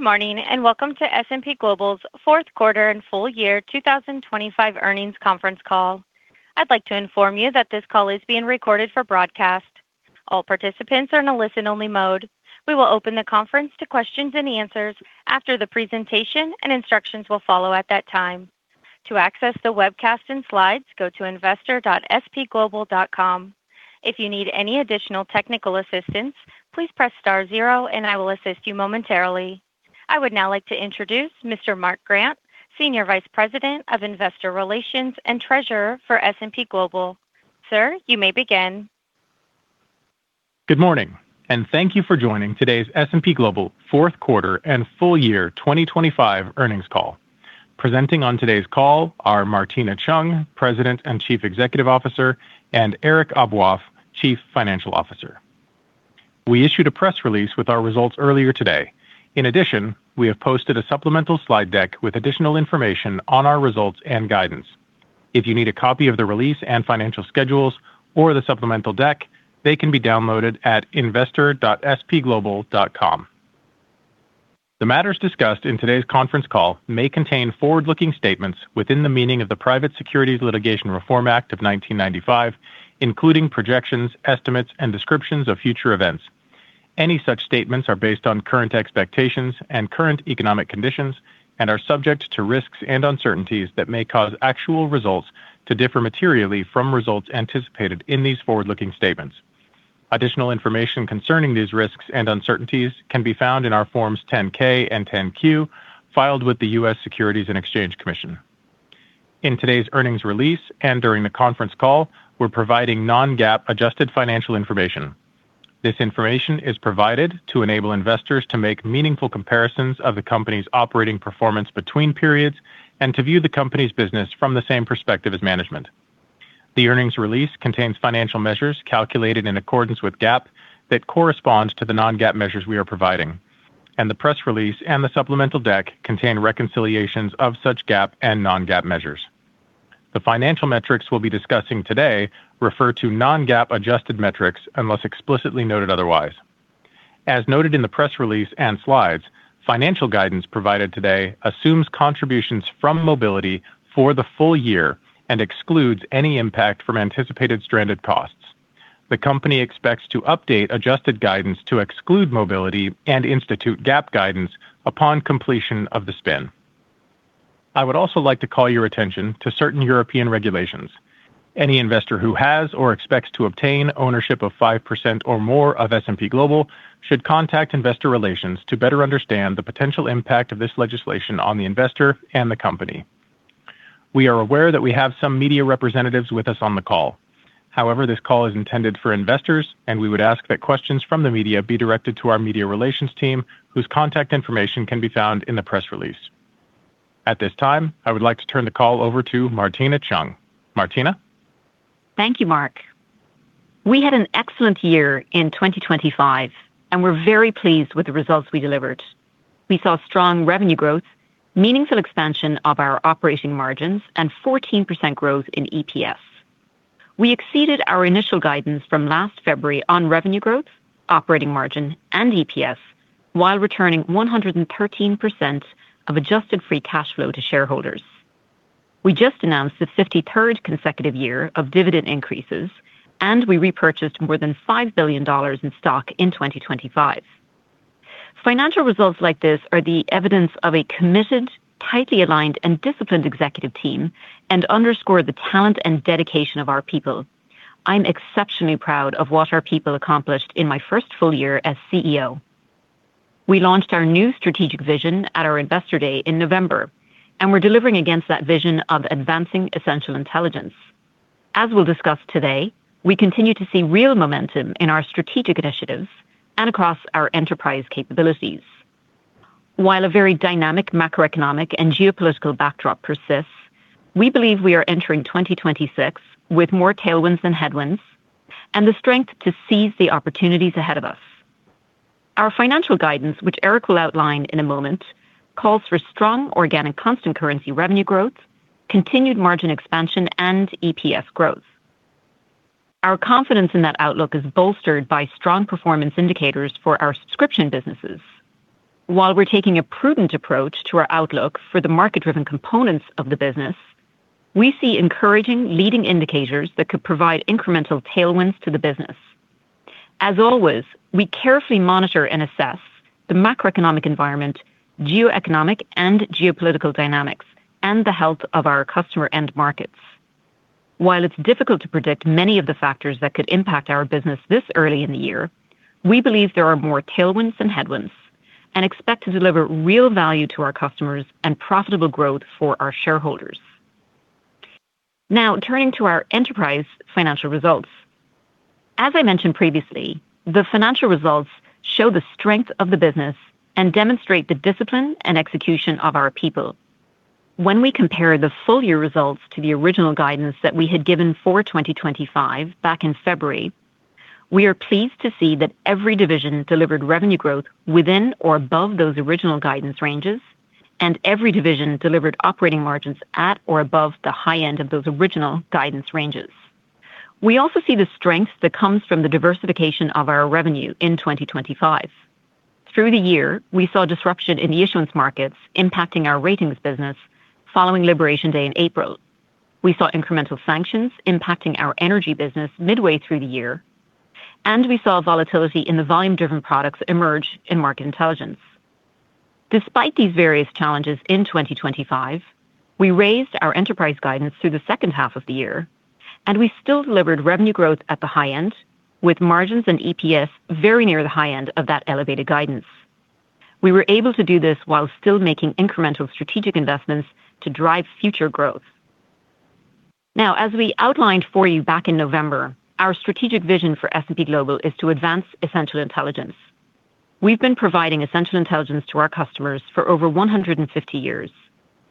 Good morning, and welcome to S&P Global's fourth quarter and full year 2025 earnings conference call. I'd like to inform you that this call is being recorded for broadcast. All participants are in a listen-only mode. We will open the conference to questions and answers after the presentation, and instructions will follow at that time. To access the webcast and slides, go to investor.spglobal.com. If you need any additional technical assistance, please press star zero, and I will assist you momentarily. I would now like to introduce Mr. Mark Grant, Senior Vice President of Investor Relations and Treasurer for S&P Global. Sir, you may begin. Good morning, and thank you for joining today's S&P Global fourth quarter and full year 2025 earnings call. Presenting on today's call are Martina Cheung, President and Chief Executive Officer, and Eric Aboaf, Chief Financial Officer. We issued a press release with our results earlier today. In addition, we have posted a supplemental slide deck with additional information on our results and guidance. If you need a copy of the release and financial schedules or the supplemental deck, they can be downloaded at investor.spglobal.com. The matters discussed in today's conference call may contain forward-looking statements within the meaning of the Private Securities Litigation Reform Act of 1995, including projections, estimates, and descriptions of future events. Any such statements are based on current expectations and current economic conditions and are subject to risks and uncertainties that may cause actual results to differ materially from results anticipated in these forward-looking statements. Additional information concerning these risks and uncertainties can be found in our Forms 10-K and 10-Q, filed with the U.S. Securities and Exchange Commission. In today's earnings release and during the conference call, we're providing non-GAAP adjusted financial information. This information is provided to enable investors to make meaningful comparisons of the company's operating performance between periods and to view the company's business from the same perspective as management. The earnings release contains financial measures calculated in accordance with GAAP that corresponds to the non-GAAP measures we are providing, and the press release and the supplemental deck contain reconciliations of such GAAP and non-GAAP measures. The financial metrics we'll be discussing today refer to non-GAAP adjusted metrics unless explicitly noted otherwise. As noted in the press release and slides, financial guidance provided today assumes contributions from mobility for the full year and excludes any impact from anticipated stranded costs. The company expects to update adjusted guidance to exclude Mobility and institute GAAP guidance upon completion of the spin. I would also like to call your attention to certain European regulations. Any investor who has or expects to obtain ownership of 5% or more of S&P Global should contact Investor Relations to better understand the potential impact of this legislation on the investor and the company. We are aware that we have some media representatives with us on the call. However, this call is intended for investors, and we would ask that questions from the media be directed to our media relations team, whose contact information can be found in the press release. At this time, I would like to turn the call over to Martina Cheung. Martina? Thank you, Mark. We had an excellent year in 2025, and we're very pleased with the results we delivered. We saw strong revenue growth, meaningful expansion of our operating margins, and 14% growth in EPS. We exceeded our initial guidance from last February on revenue growth, operating margin, and EPS, while returning 113% of adjusted free cash flow to shareholders. We just announced the 53rd consecutive year of dividend increases, and we repurchased more than $5 billion in stock in 2025. Financial results like this are the evidence of a committed, tightly aligned, and disciplined executive team and underscore the talent and dedication of our people. I'm exceptionally proud of what our people accomplished in my first full year as CEO. We launched our new strategic vision at our Investor Day in November, and we're delivering against that vision of advancing essential intelligence. As we'll discuss today, we continue to see real momentum in our strategic initiatives and across our enterprise capabilities. While a very dynamic macroeconomic and geopolitical backdrop persists, we believe we are entering 2026 with more tailwinds than headwinds and the strength to seize the opportunities ahead of us. Our financial guidance, which Eric will outline in a moment, calls for strong organic constant currency revenue growth, continued margin expansion, and EPS growth. Our confidence in that outlook is bolstered by strong performance indicators for our subscription businesses. While we're taking a prudent approach to our outlook for the market-driven components of the business, we see encouraging leading indicators that could provide incremental tailwinds to the business. As always, we carefully monitor and assess the macroeconomic environment, geoeconomic and geopolitical dynamics, and the health of our customer end markets. While it's difficult to predict many of the factors that could impact our business this early in the year, we believe there are more tailwinds than headwinds and expect to deliver real value to our customers and profitable growth for our shareholders. Now, turning to our enterprise financial results. As I mentioned previously, the financial results show the strength of the business and demonstrate the discipline and execution of our people. When we compare the full year results to the original guidance that we had given for 2025 back in February, we are pleased to see that every division delivered revenue growth within or above those original guidance ranges, and every division delivered operating margins at or above the high end of those original guidance ranges. We also see the strength that comes from the diversification of our revenue in 2025. Through the year, we saw disruption in the issuance markets impacting our Ratings business following Liberation Day in April. We saw incremental sanctions impacting our Energy business midway through the year, and we saw volatility in the volume-driven products emerge in Market Intelligence. Despite these various challenges in 2025, we raised our enterprise guidance through the second half of the year, and we still delivered revenue growth at the high end, with margins and EPS very near the high end of that elevated guidance. We were able to do this while still making incremental strategic investments to drive future growth. Now, as we outlined for you back in November, our strategic vision for S&P Global is to advance essential intelligence. We've been providing essential intelligence to our customers for over 150 years.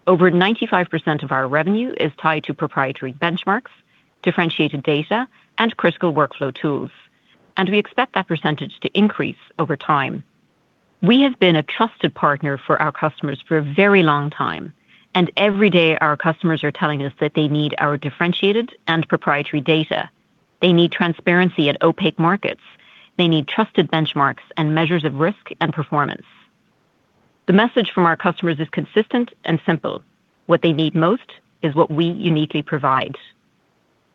Over 95% of our revenue is tied to proprietary benchmarks, differentiated data, and critical workflow tools, and we expect that percentage to increase over time. We have been a trusted partner for our customers for a very long time, and every day our customers are telling us that they need our differentiated and proprietary data. They need transparency at opaque markets. They need trusted benchmarks and measures of risk and performance. The message from our customers is consistent and simple: What they need most is what we uniquely provide.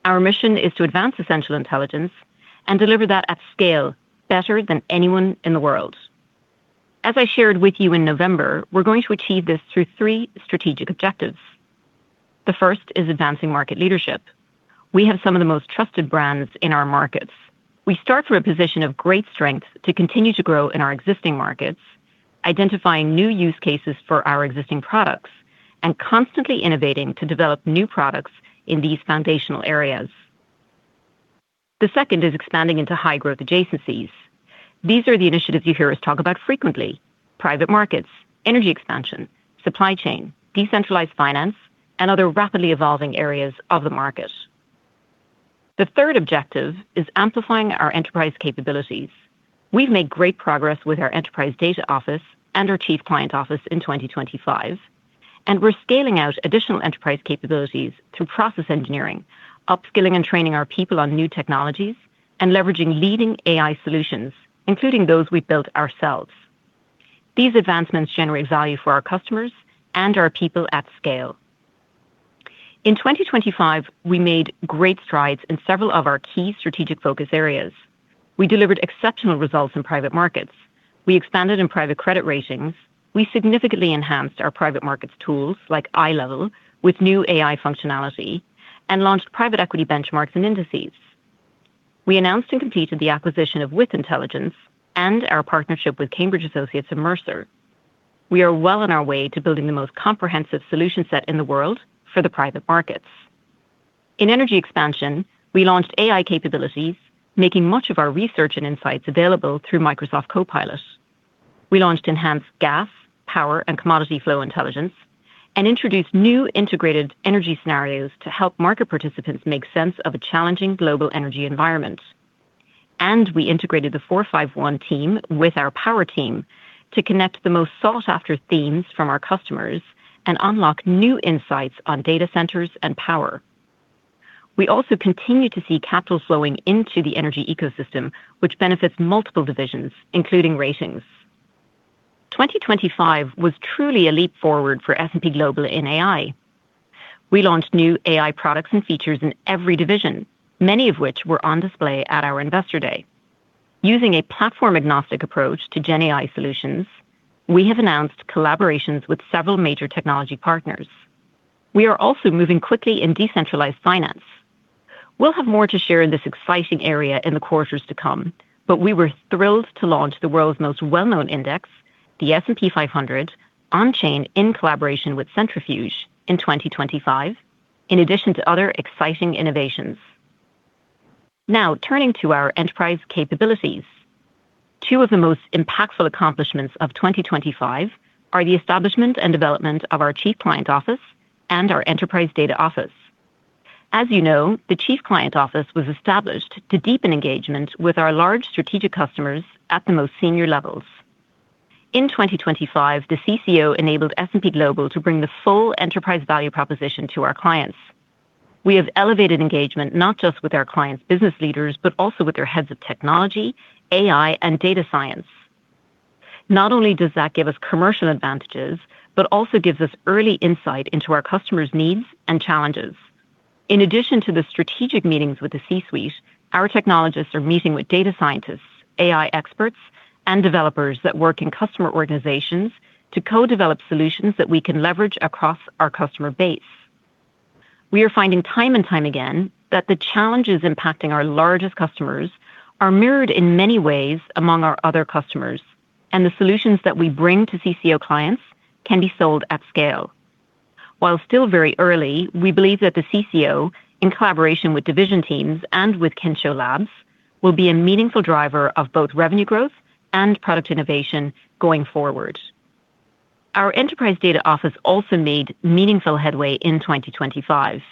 Our mission is to advance essential intelligence and deliver that at scale better than anyone in the world. As I shared with you in November, we're going to achieve this through three strategic objectives. The first is advancing market leadership. We have some of the most trusted brands in our markets. We start from a position of great strength to continue to grow in our existing markets, identifying new use cases for our existing products, and constantly innovating to develop new products in these foundational areas. The second is expanding into high-growth adjacencies. These are the initiatives you hear us talk about frequently: private markets, energy expansion, supply chain, decentralized finance, and other rapidly evolving areas of the market. The third objective is amplifying our enterprise capabilities. We've made great progress with our enterprise data office and our chief client office in 2025, and we're scaling out additional enterprise capabilities through process engineering, upskilling and training our people on new technologies, and leveraging leading AI solutions, including those we built ourselves. These advancements generate value for our customers and our people at scale. In 2025, we made great strides in several of our key strategic focus areas. We delivered exceptional results in private markets. We expanded in private credit ratings. We significantly enhanced our private markets tools like iLEVEL with new AI functionality and launched private equity benchmarks and indices. We announced and completed the acquisition of With Intelligence and our partnership with Cambridge Associates and Mercer. We are well on our way to building the most comprehensive solution set in the world for the private markets. In energy expansion, we launched AI capabilities, making much of our research and insights available through Microsoft Copilot. We launched enhanced gas, power, and commodity flow intelligence and introduced new integrated energy scenarios to help market participants make sense of a challenging global energy environment. We integrated the 451 team with our power team to connect the most sought-after themes from our customers and unlock new insights on data centers and power. We also continue to see capital flowing into the energy ecosystem, which benefits multiple divisions, including ratings. 2025 was truly a leap forward for S&P Global in AI. We launched new AI products and features in every division, many of which were on display at our Investor Day. Using a platform-agnostic approach to GenAI solutions, we have announced collaborations with several major technology partners. We are also moving quickly in decentralized finance. We'll have more to share in this exciting area in the quarters to come, but we were thrilled to launch the world's most well-known index, the S&P 500, on chain in collaboration with Centrifuge in 2025, in addition to other exciting innovations. Now, turning to our enterprise capabilities. Two of the most impactful accomplishments of 2025 are the establishment and development of our Chief Client Office and our Enterprise Data Office. As you know, the Chief Client Office was established to deepen engagement with our large strategic customers at the most senior levels. In 2025, the CCO enabled S&P Global to bring the full enterprise value proposition to our clients. We have elevated engagement not just with our clients' business leaders, but also with their heads of technology, AI, and data science. Not only does that give us commercial advantages, but also gives us early insight into our customers' needs and challenges. In addition to the strategic meetings with the C-suite, our technologists are meeting with data scientists, AI experts, and developers that work in customer organizations to co-develop solutions that we can leverage across our customer base. We are finding time and time again that the challenges impacting our largest customers are mirrored in many ways among our other customers, and the solutions that we bring to CCO clients can be sold at scale. While still very early, we believe that the CCO, in collaboration with division teams and with Kensho Labs, will be a meaningful driver of both revenue growth and product innovation going forward. Our Enterprise Data Office also made meaningful headway in 2025.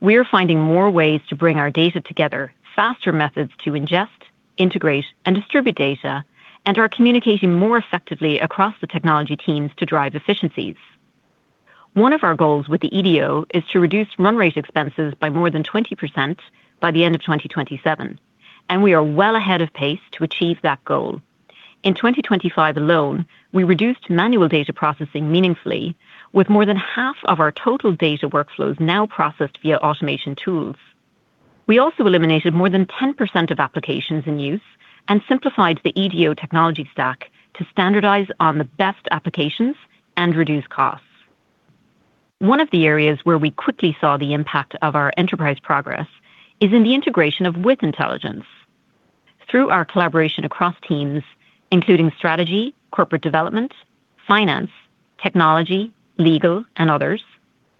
We are finding more ways to bring our data together, faster methods to ingest, integrate, and distribute data, and are communicating more effectively across the technology teams to drive efficiencies. One of our goals with the EDO is to reduce run rate expenses by more than 20% by the end of 2027, and we are well ahead of pace to achieve that goal. In 2025 alone, we reduced manual data processing meaningfully, with more than half of our total data workflows now processed via automation tools. We also eliminated more than 10% of applications in use and simplified the EDO technology stack to standardize on the best applications and reduce costs. One of the areas where we quickly saw the impact of our enterprise progress is in the integration with intelligence. Through our collaboration across teams, including strategy, corporate development, finance, technology, legal, and others,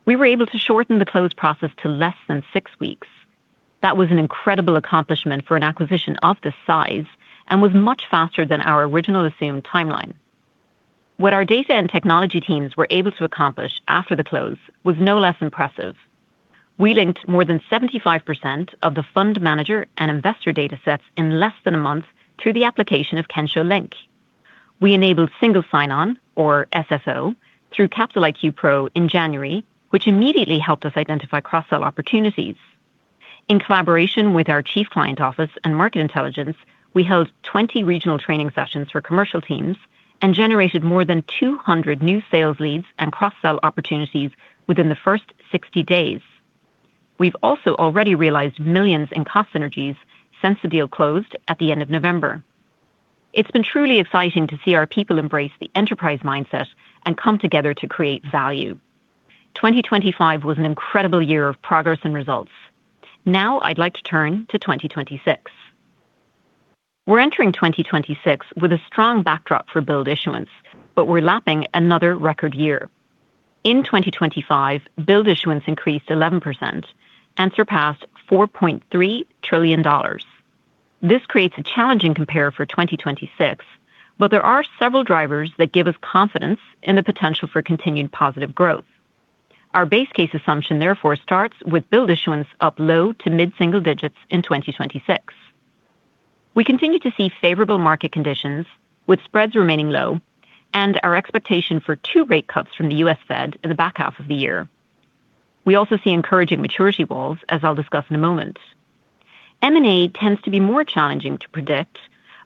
we were able to shorten the close process to less than six weeks. That was an incredible accomplishment for an acquisition of this size and was much faster than our original assumed timeline. What our data and technology teams were able to accomplish after the close was no less impressive. We linked more than 75% of the fund manager and investor datasets in less than a month through the application of Kensho Link. We enabled single sign-on, or SSO, through Capital IQ Pro in January, which immediately helped us identify cross-sell opportunities. In collaboration with our Chief Client Office and Market Intelligence, we held 20 regional training sessions for commercial teams and generated more than 200 new sales leads and cross-sell opportunities within the first 60 days. We've also already realized millions in cost synergies since the deal closed at the end of November. It's been truly exciting to see our people embrace the enterprise mindset and come together to create value. 2025 was an incredible year of progress and results. Now I'd like to turn to 2026. We're entering 2026 with a strong backdrop for bond issuance, but we're lapping another record year. In 2025, billed issuance increased 11% and surpassed $4.3 trillion. This creates a challenging compare for 2026, but there are several drivers that give us confidence in the potential for continued positive growth. Our base case assumption, therefore, starts with billed issuance up low to mid-single digits in 2026. We continue to see favorable market conditions, with spreads remaining low and our expectation for two rate cuts from the U.S. Fed in the back half of the year. We also see encouraging maturity walls, as I'll discuss in a moment. M&A tends to be more challenging to predict,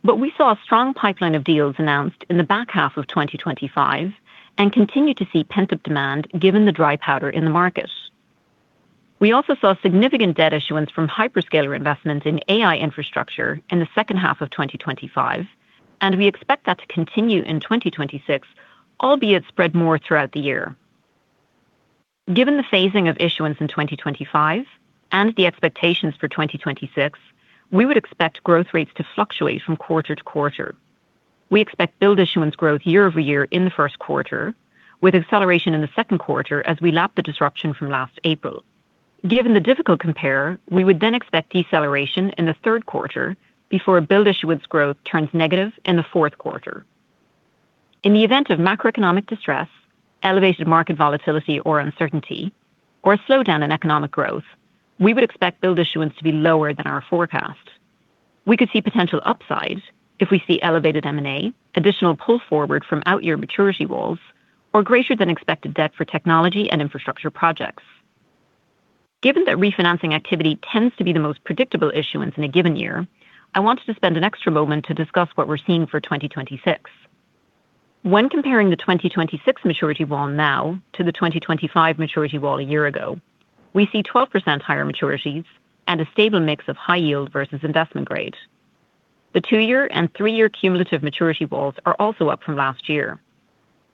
but we saw a strong pipeline of deals announced in the back half of 2025 and continue to see pent-up demand given the dry powder in the market. We also saw significant debt issuance from hyperscaler investments in AI infrastructure in the second half of 2025, and we expect that to continue in 2026, albeit spread more throughout the year. Given the phasing of issuance in 2025 and the expectations for 2026, we would expect growth rates to fluctuate from quarter to quarter. We expect bond issuance growth year over year in the first quarter, with acceleration in the second quarter as we lap the disruption from last April. Given the difficult compare, we would then expect deceleration in the third quarter before bond issuance growth turns negative in the fourth quarter. In the event of macroeconomic distress, elevated market volatility or uncertainty, or a slowdown in economic growth, we would expect bond issuance to be lower than our forecast. We could see potential upside if we see elevated M&A, additional pull forward from outyear maturity walls, or greater than expected debt for technology and infrastructure projects. Given that refinancing activity tends to be the most predictable issuance in a given year, I wanted to spend an extra moment to discuss what we're seeing for 2026. When comparing the 2026 maturity wall now to the 2025 maturity wall a year ago, we see 12% higher maturities and a stable mix of high yield versus investment grade. The two year and three year cumulative maturity walls are also up from last year.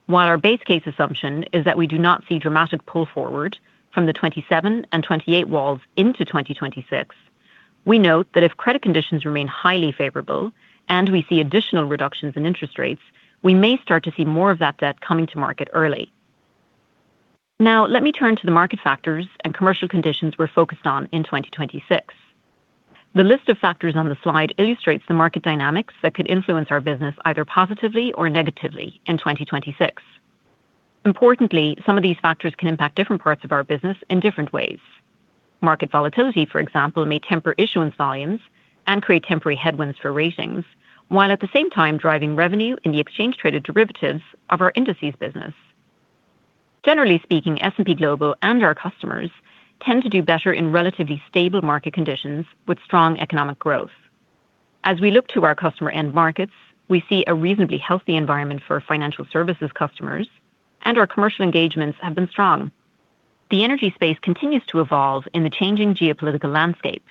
While our base case assumption is that we do not see dramatic pull forward from the 27 and 28 walls into 2026, we note that if credit conditions remain highly favorable and we see additional reductions in interest rates, we may start to see more of that debt coming to market early. Now, let me turn to the market factors and commercial conditions we're focused on in 2026. The list of factors on the slide illustrates the market dynamics that could influence our business either positively or negatively in 2026. Importantly, some of these factors can impact different parts of our business in different ways. Market volatility, for example, may temper issuance volumes and create temporary headwinds for ratings, while at the same time driving revenue in the exchange traded derivatives of our indices business. Generally speaking, S&P Global and our customers tend to do better in relatively stable market conditions with strong economic growth. As we look to our customer end markets, we see a reasonably healthy environment for financial services customers, and our commercial engagements have been strong. The energy space continues to evolve in the changing geopolitical landscape.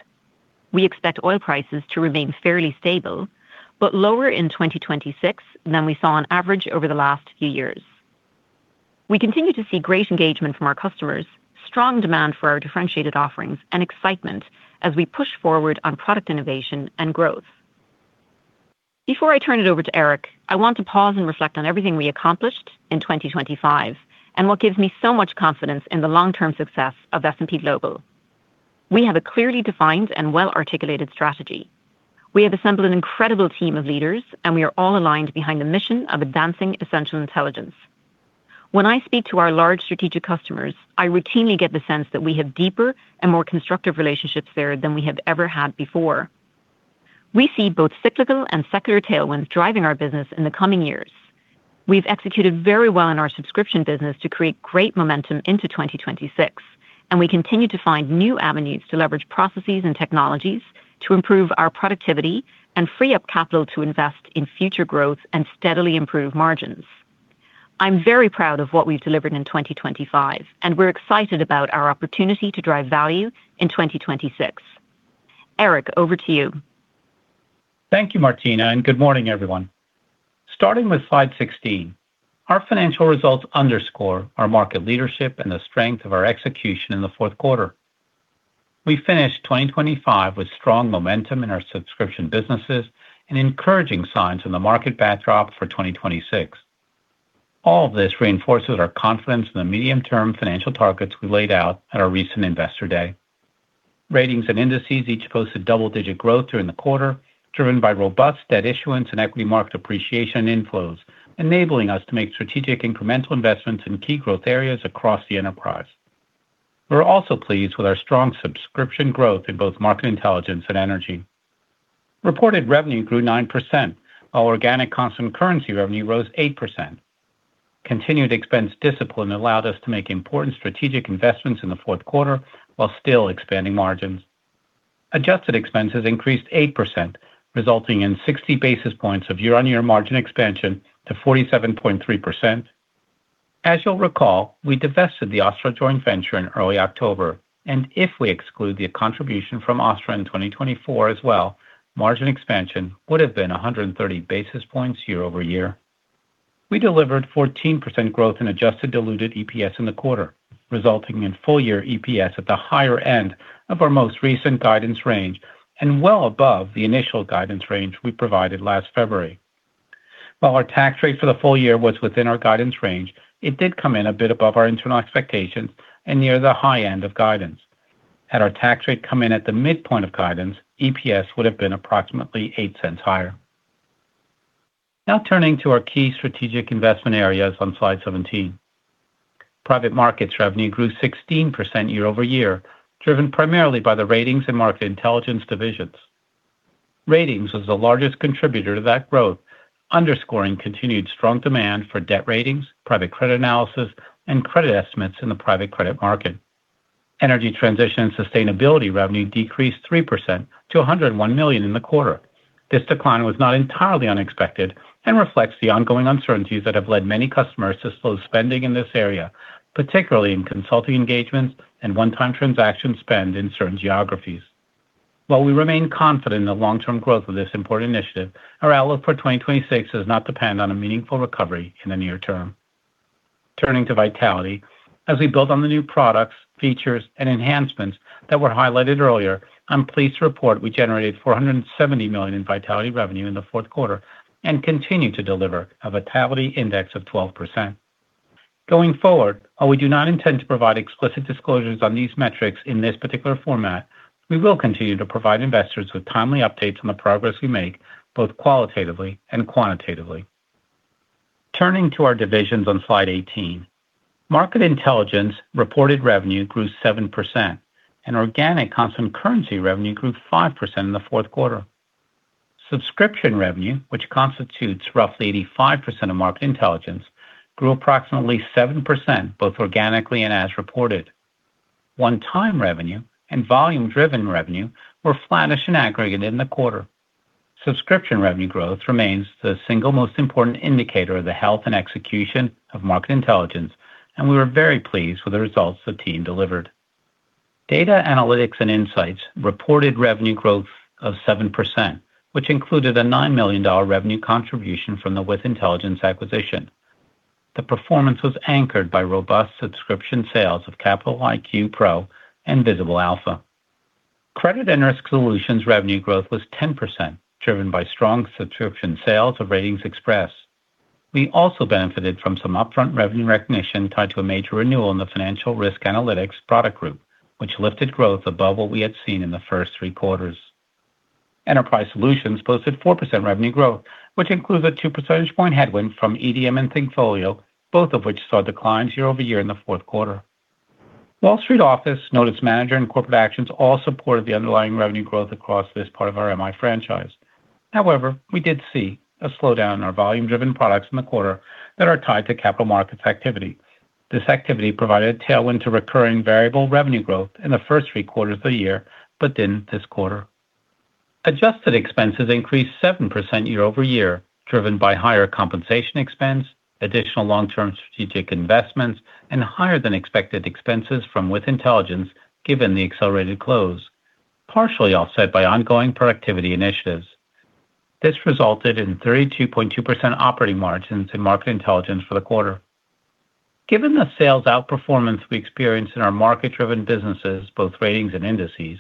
We expect oil prices to remain fairly stable, but lower in 2026 than we saw on average over the last few years. We continue to see great engagement from our customers, strong demand for our differentiated offerings, and excitement as we push forward on product innovation and growth. Before I turn it over to Eric, I want to pause and reflect on everything we accomplished in 2025 and what gives me so much confidence in the long-term success of S&P Global. We have a clearly defined and well-articulated strategy. We have assembled an incredible team of leaders, and we are all aligned behind the mission of advancing essential intelligence. When I speak to our large strategic customers, I routinely get the sense that we have deeper and more constructive relationships there than we have ever had before. We see both cyclical and secular tailwinds driving our business in the coming years. We've executed very well in our subscription business to create great momentum into 2026, and we continue to find new avenues to leverage processes and technologies to improve our productivity and free up capital to invest in future growth and steadily improve margins. I'm very proud of what we've delivered in 2025, and we're excited about our opportunity to drive value in 2026. Eric, over to you. Thank you, Martina, and good morning, everyone. Starting with slide 16, our financial results underscore our market leadership and the strength of our execution in the fourth quarter. We finished 2025 with strong momentum in our subscription businesses and encouraging signs in the market backdrop for 2026. All of this reinforces our confidence in the medium-term financial targets we laid out at our recent Investor Day. Ratings and indices each posted double-digit growth during the quarter, driven by robust debt issuance and equity market appreciation inflows, enabling us to make strategic incremental investments in key growth areas across the enterprise. We're also pleased with our strong subscription growth in both market intelligence and energy. Reported revenue grew 9%, while organic constant currency revenue rose 8%. Continued expense discipline allowed us to make important strategic investments in the fourth quarter while still expanding margins. Adjusted expenses increased 8%, resulting in 60 basis points of year-on-year margin expansion to 47.3%. As you'll recall, we divested the OSTTRA joint venture in early October, and if we exclude the contribution from OSTTRA in 2024 as well, margin expansion would have been 130 basis points year-over-year. We delivered 14% growth in adjusted diluted EPS in the quarter, resulting in full-year EPS at the higher end of our most recent guidance range and well above the initial guidance range we provided last February. While our tax rate for the full year was within our guidance range, it did come in a bit above our internal expectations and near the high end of guidance. Had our tax rate come in at the midpoint of guidance, EPS would have been approximately $0.08 higher. Now, turning to our key strategic investment areas on Slide 17. Private markets revenue grew 16% year-over-year, driven primarily by the ratings and market intelligence divisions. Ratings was the largest contributor to that growth, underscoring continued strong demand for debt ratings, private credit analysis, and credit estimates in the private credit market. Energy transition and sustainability revenue decreased 3% to $101 million in the quarter. This decline was not entirely unexpected and reflects the ongoing uncertainties that have led many customers to slow spending in this area, particularly in consulting engagements and one-time transaction spend in certain geographies. While we remain confident in the long-term growth of this important initiative, our outlook for 2026 does not depend on a meaningful recovery in the near term. Turning to Vitality, as we build on the new products, features, and enhancements that were highlighted earlier, I'm pleased to report we generated $470 million in Vitality revenue in the fourth quarter and continue to deliver a Vitality index of 12%. Going forward, while we do not intend to provide explicit disclosures on these metrics in this particular format, we will continue to provide investors with timely updates on the progress we make, both qualitatively and quantitatively. Turning to our divisions on Slide 18, market intelligence reported revenue grew 7%, and organic constant currency revenue grew 5% in the fourth quarter. Subscription revenue, which constitutes roughly 85% of market intelligence, grew approximately 7%, both organically and as reported. One-time revenue and volume-driven revenue were flattish in aggregate in the quarter. Subscription revenue growth remains the single most important indicator of the health and execution of market intelligence, and we were very pleased with the results the team delivered. Data, Analytics & Insights reported revenue growth of 7%, which included a $9 million revenue contribution from the With Intelligence acquisition. The performance was anchored by robust subscription sales of Capital IQ Pro and Visible Alpha. Credit and Risk Solutions revenue growth was 10%, driven by strong subscription sales of RatingsXpress. We also benefited from some upfront revenue recognition tied to a major renewal in the financial risk analytics product group, which lifted growth above what we had seen in the first three quarters. Enterprise Solutions posted 4% revenue growth, which includes a two percentage point headwind from EDM and thinkFolio, both of which saw declines year-over-year in the fourth quarter. Wall Street Office, Notice Manager, corporate actions all supported the underlying revenue growth across this part of our MI franchise. However, we did see a slowdown in our volume-driven products in the quarter that are tied to capital markets activity. This activity provided a tailwind to recurring variable revenue growth in the first three quarters of the year, but didn't this quarter. Adjusted expenses increased 7% year-over-year, driven by higher compensation expense, additional long-term strategic investments, and higher than expected expenses from With Intelligence, given the accelerated close, partially offset by ongoing productivity initiatives. This resulted in 32.2% operating margins in market intelligence for the quarter. Given the sales outperformance we experienced in our market-driven businesses, both ratings and indices,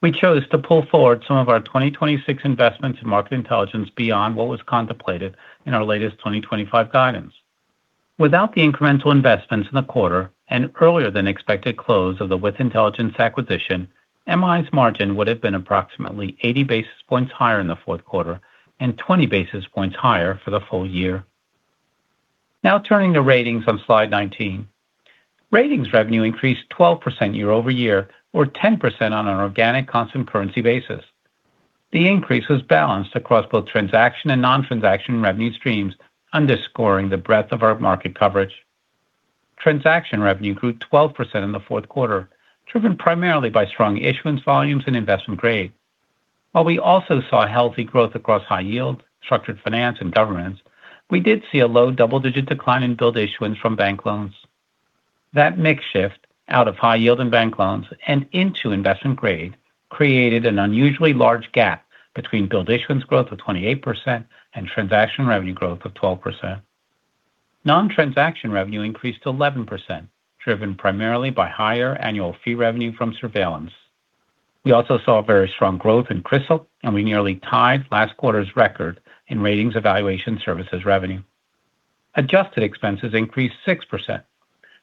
we chose to pull forward some of our 2026 investments in market intelligence beyond what was contemplated in our latest 2025 guidance. Without the incremental investments in the quarter and earlier than expected close of the With Intelligence acquisition, MI's margin would have been approximately 80 basis points higher in the fourth quarter and 20 basis points higher for the full year. Now turning to Ratings on slide 19. Ratings revenue increased 12% year-over-year, or 10% on an organic constant currency basis. The increase was balanced across both transaction and non-transaction revenue streams, underscoring the breadth of our market coverage. Transaction revenue grew 12% in the fourth quarter, driven primarily by strong issuance volumes and investment grade. While we also saw healthy growth across high yield, structured finance, and governments, we did see a low double-digit decline in build issuance from bank loans. That mix shift out of high yield and bank loans and into investment grade created an unusually large gap between build issuance growth of 28% and transaction revenue growth of 12%. Non-transaction revenue increased 11%, driven primarily by higher annual fee revenue from surveillance. We also saw very strong growth in CRISIL, and we nearly tied last quarter's record in ratings evaluation services revenue. Adjusted expenses increased 6%,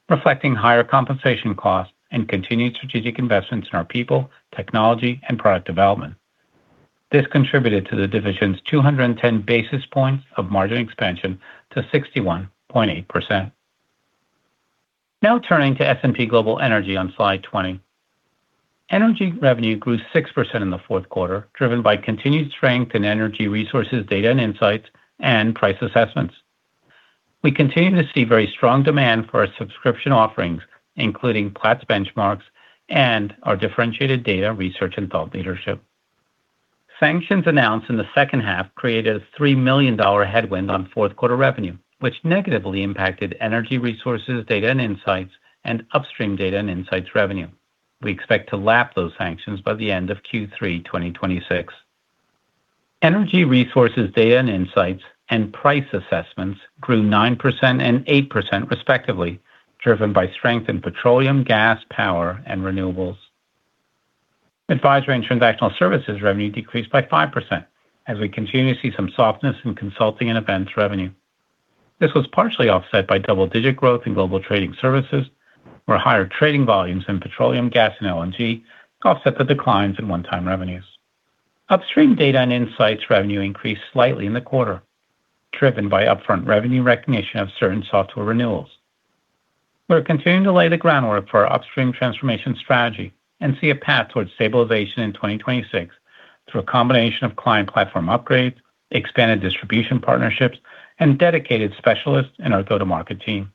reflecting higher compensation costs and continued strategic investments in our people, technology, and product development. This contributed to the division's 210 basis points of margin expansion to 61.8%. Now turning to S&P Global Energy on Slide 20. Energy revenue grew 6% in the fourth quarter, driven by continued strength in Energy Resources, Data and Insights, and price assessments. We continue to see very strong demand for our subscription offerings, including Platts Benchmarks and our differentiated data, research, and thought leadership. Sanctions announced in the second half created a $3 million headwind on fourth quarter revenue, which negatively impacted Energy Resources, Data and Insights, and upstream data and Insights revenue. We expect to lap those sanctions by the end of Q3 2026. Energy resources, Data and Insights, and Price Assessments grew 9% and 8%, respectively, driven by strength in petroleum, gas, power, and renewables. Advisory and Transactional Services revenue decreased by 5%, as we continue to see some softness in consulting and events revenue. This was partially offset by double-digit growth in global trading services, where higher trading volumes in petroleum, gas, and LNG offset the declines in one-time revenues. Upstream Data and Insights revenue increased slightly in the quarter, driven by upfront revenue recognition of certain software renewals. We're continuing to lay the groundwork for our upstream transformation strategy and see a path towards stabilization in 2026 through a combination of client platform upgrades, expanded distribution partnerships, and dedicated specialists in our go-to-market team.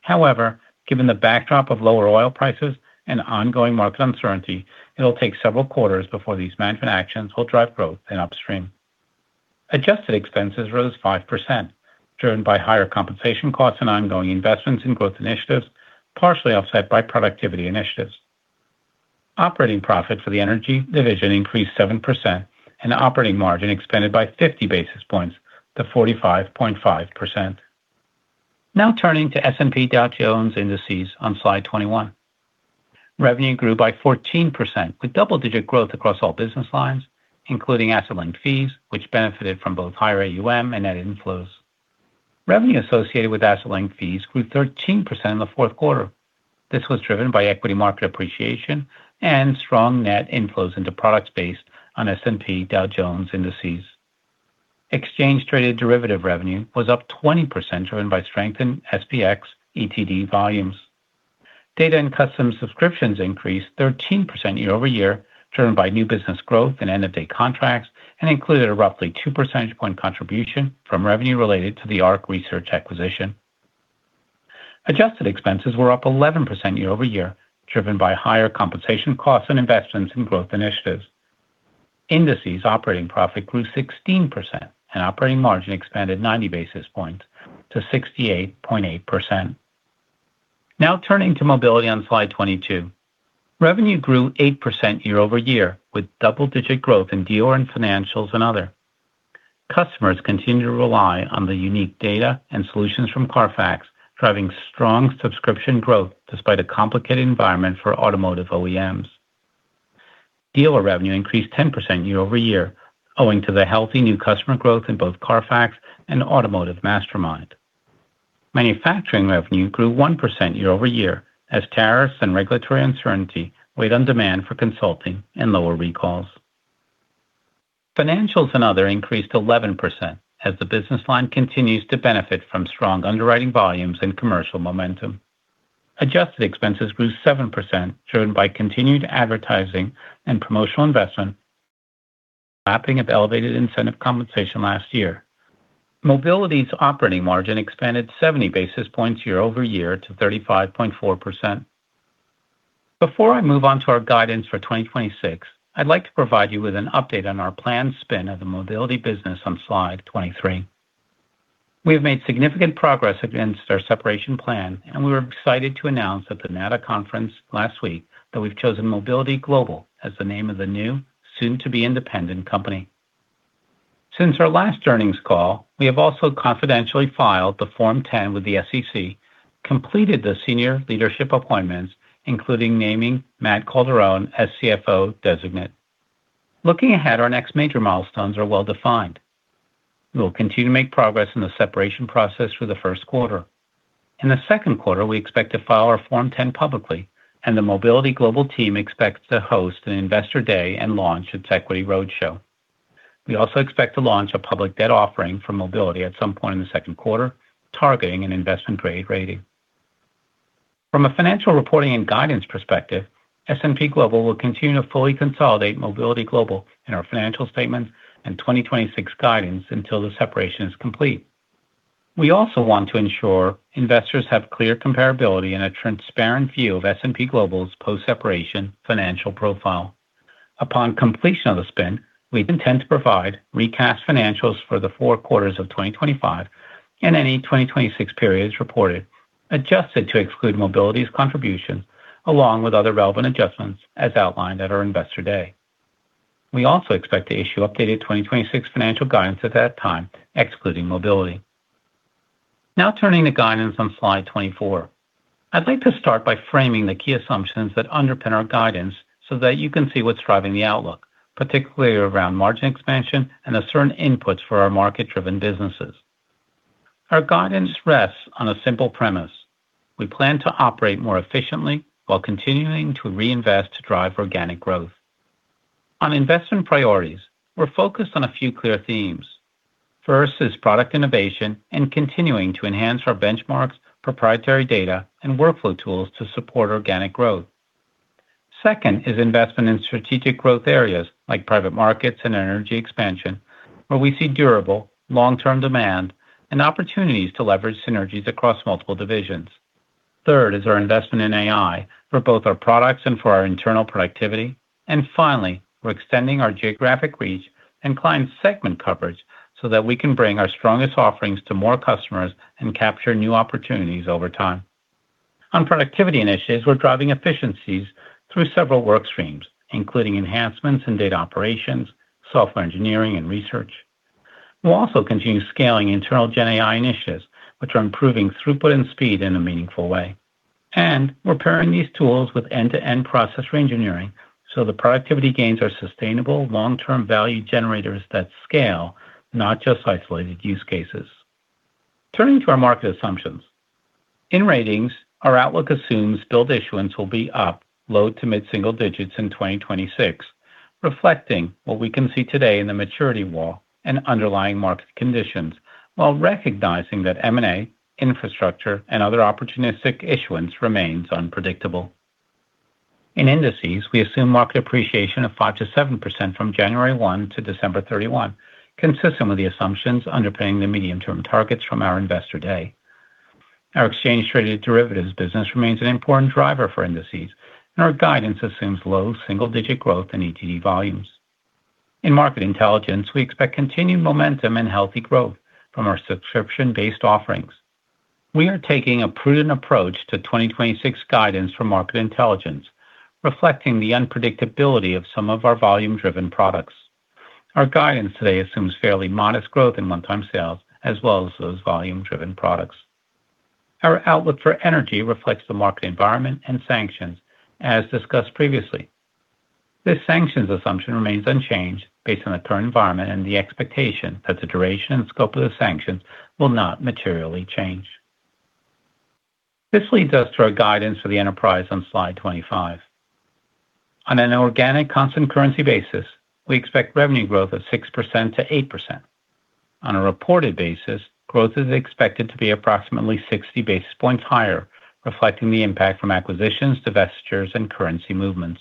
However, given the backdrop of lower oil prices and ongoing market uncertainty, it'll take several quarters before these management actions will drive growth in upstream. Adjusted expenses rose 5%, driven by higher compensation costs and ongoing investments in growth initiatives, partially offset by productivity initiatives. Operating profit for the energy division increased 7%, and operating margin expanded by 50 basis points to 45.5%. Now turning to S&P Dow Jones Indices on slide 21. Revenue grew by 14%, with double-digit growth across all business lines, including asset-linked fees, which benefited from both higher AUM and net inflows. Revenue associated with asset-linked fees grew 13% in the fourth quarter. This was driven by equity market appreciation and strong net inflows into products based on S&P Dow Jones Indices. Exchange traded derivative revenue was up 20%, driven by strength in SPX, ETD volumes. Data & Custom Subscriptions increased 13% year-over-year, driven by new business growth and end-of-day contracts, and included a roughly 2 percentage point contribution from revenue related to the Ark Research acquisition. Adjusted expenses were up 11% year-over-year, driven by higher compensation costs and investments in growth initiatives. Indices operating profit grew 16%, and operating margin expanded 90 basis points to 68.8%. Now turning to Mobility on slide 22. Revenue grew 8% year-over-year, with double-digit growth in dealer and financials and other. Customers continue to rely on the unique data and solutions from CARFAX, driving strong subscription growth despite a complicated environment for automotive OEMs. Dealer revenue increased 10% year-over-year, owing to the healthy new customer growth in both CARFAX and automotiveMastermind. Manufacturing revenue grew 1% year-over-year as tariffs and regulatory uncertainty weighed on demand for consulting and lower recalls. Financials and other increased 11% as the business line continues to benefit from strong underwriting volumes and commercial momentum. Adjusted expenses grew 7%, driven by continued advertising and promotional investment, mapping of elevated incentive compensation last year. Mobility's operating margin expanded 70 basis points year-over-year to 35.4%. Before I move on to our guidance for 2026, I'd like to provide you with an update on our planned spin of the Mobility business on slide 23. We have made significant progress against our separation plan, and we were excited to announce at the NADA conference last week that we've chosen Mobility Global as the name of the new, soon-to-be independent company. Since our last earnings call, we have also confidentially filed the Form 10 with the SEC, completed the senior leadership appointments, including naming Matt Hoisch as CFO designate. Looking ahead, our next major milestones are well-defined. We will continue to make progress in the separation process for the first quarter. In the second quarter, we expect to file our Form 10 publicly, and the Mobility Global team expects to host an Investor Day and launch its equity roadshow. We also expect to launch a public debt offering for Mobility at some point in the second quarter, targeting an investment-grade rating. From a financial reporting and guidance perspective, S&P Global will continue to fully consolidate Mobility Global in our financial statements and 2026 guidance until the separation is complete. We also want to ensure investors have clear comparability and a transparent view of S&P Global's post-separation financial profile. Upon completion of the spin, we intend to provide recast financials for the four quarters of 2025 and any 2026 periods reported, adjusted to exclude Mobility's contribution, along with other relevant adjustments, as outlined at our Investor Day. We also expect to issue updated 2026 financial guidance at that time, excluding Mobility. Now turning to guidance on slide 24. I'd like to start by framing the key assumptions that underpin our guidance so that you can see what's driving the outlook, particularly around margin expansion and the certain inputs for our market-driven businesses. Our guidance rests on a simple premise: We plan to operate more efficiently while continuing to reinvest to drive organic growth. On investment priorities, we're focused on a few clear themes. First is product innovation and continuing to enhance our benchmarks, proprietary data, and workflow tools to support organic growth. Second is investment in strategic growth areas like private markets and energy expansion, where we see durable, long-term demand and opportunities to leverage synergies across multiple divisions. Third is our investment in AI for both our products and for our internal productivity. Finally, we're extending our geographic reach and client segment coverage so that we can bring our strongest offerings to more customers and capture new opportunities over time. On productivity initiatives, we're driving efficiencies through several work streams, including enhancements in data operations, software engineering, and research. We'll also continue scaling internal GenAI initiatives, which are improving throughput and speed in a meaningful way. And we're pairing these tools with end-to-end process reengineering, so the productivity gains are sustainable, long-term value generators that scale, not just isolated use cases. Turning to our market assumptions. In Ratings, our outlook assumes bond issuance will be up low to mid-single digits in 2026, reflecting what we can see today in the maturity wall and underlying market conditions, while recognizing that M&A, infrastructure, and other opportunistic issuance remains unpredictable. In Indices, we assume market appreciation of 5%-7% from January 1 to December 31, consistent with the assumptions underpinning the medium-term targets from our Investor Day. Our exchange-traded derivatives business remains an important driver for Indices, and our guidance assumes low single-digit growth in ETD volumes. In Market Intelligence, we expect continued momentum and healthy growth from our subscription-based offerings. We are taking a prudent approach to 2026 guidance for Market Intelligence, reflecting the unpredictability of some of our volume-driven products. Our guidance today assumes fairly modest growth in one-time sales, as well as those volume-driven products. Our outlook for Energy reflects the market environment and sanctions, as discussed previously. This sanctions assumption remains unchanged based on the current environment and the expectation that the duration and scope of the sanctions will not materially change. This leads us to our guidance for the enterprise on slide 25. On an organic constant currency basis, we expect revenue growth of 6%-8%. On a reported basis, growth is expected to be approximately 60 basis points higher, reflecting the impact from acquisitions, divestitures, and currency movements.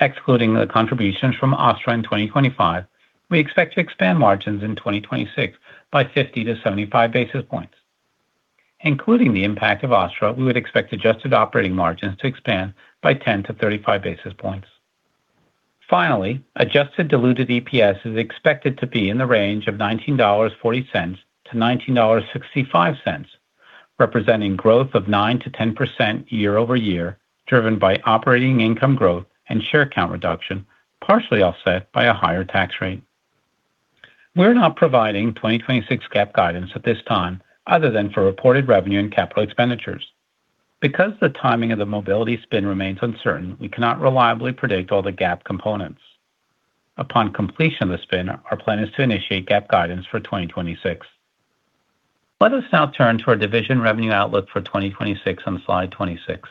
Excluding the contributions from OSTTRA in 2025, we expect to expand margins in 2026 by 50-75 basis points. Including the impact of OSTTRA, we would expect adjusted operating margins to expand by 10-35 basis points. Finally, adjusted diluted EPS is expected to be in the range of $19.40-$19.65, representing growth of 9%-10% year-over-year, driven by operating income growth and share count reduction, partially offset by a higher tax rate. We're not providing 2026 GAAP guidance at this time, other than for reported revenue and capital expenditures. Because the timing of the Mobility spin remains uncertain, we cannot reliably predict all the GAAP components. Upon completion of the spin, our plan is to initiate GAAP guidance for 2026. Let us now turn to our division revenue outlook for 2026 on slide 26.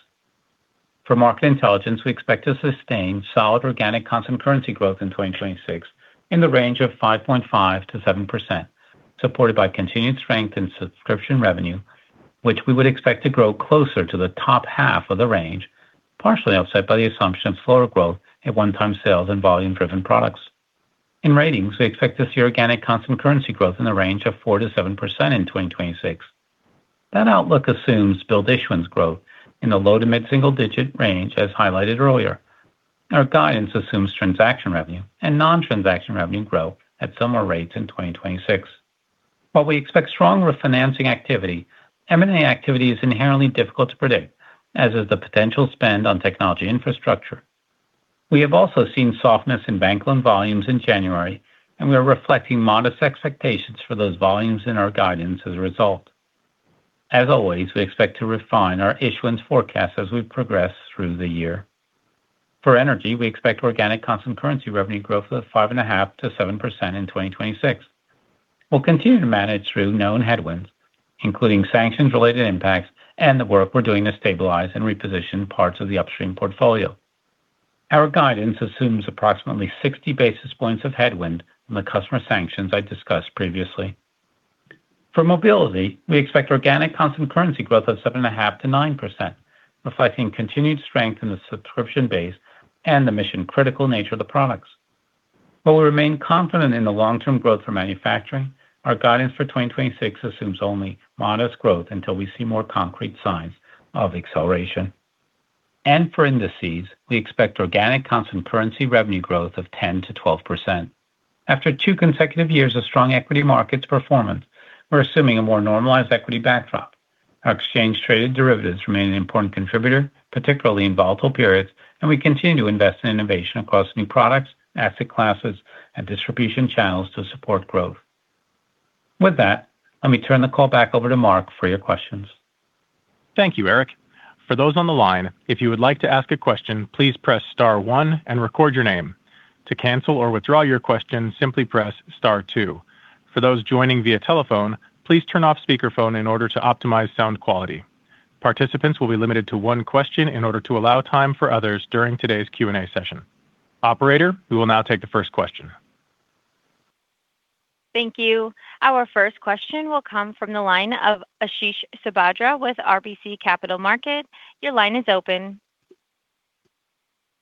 For Market Intelligence, we expect to sustain solid organic constant currency growth in 2026 in the range of 5.5%-7%, supported by continued strength in subscription revenue, which we would expect to grow closer to the top half of the range, partially offset by the assumption of slower growth at one-time sales and volume-driven products. In Ratings, we expect to see organic constant currency growth in the range of 4%-7% in 2026. That outlook assumes build issuance growth in the low to mid-single digit range, as highlighted earlier. Our guidance assumes transaction revenue and non-transaction revenue grow at similar rates in 2026. While we expect stronger refinancing activity, M&A activity is inherently difficult to predict, as is the potential spend on technology infrastructure. We have also seen softness in bank loan volumes in January, and we are reflecting modest expectations for those volumes in our guidance as a result. As always, we expect to refine our issuance forecast as we progress through the year. For Energy, we expect organic constant currency revenue growth of 5.5%-7% in 2026. We'll continue to manage through known headwinds, including sanctions-related impacts and the work we're doing to stabilize and reposition parts of the upstream portfolio. Our guidance assumes approximately 60 basis points of headwind from the customer sanctions I discussed previously. For mobility, we expect organic constant currency growth of 7.5%-9%, reflecting continued strength in the subscription base and the mission-critical nature of the products. While we remain confident in the long-term growth for manufacturing, our guidance for 2026 assumes only modest growth until we see more concrete signs of acceleration. For indices, we expect organic constant currency revenue growth of 10%-12%. After two consecutive years of strong equity markets performance, we're assuming a more normalized equity backdrop. Our exchange-traded derivatives remain an important contributor, particularly in volatile periods, and we continue to invest in innovation across new products, asset classes, and distribution channels to support growth. With that, let me turn the call back over to Mark for your questions. Thank you, Eric. For those on the line, if you would like to ask a question, please press star one and record your name. To cancel or withdraw your question, simply press star two. For those joining via telephone, please turn off speakerphone in order to optimize sound quality. Participants will be limited to one question in order to allow time for others during today's Q&A session. Operator, we will now take the first question. Thank you. Our first question will come from the line of Ashish Sabadra with RBC Capital Markets. Your line is open.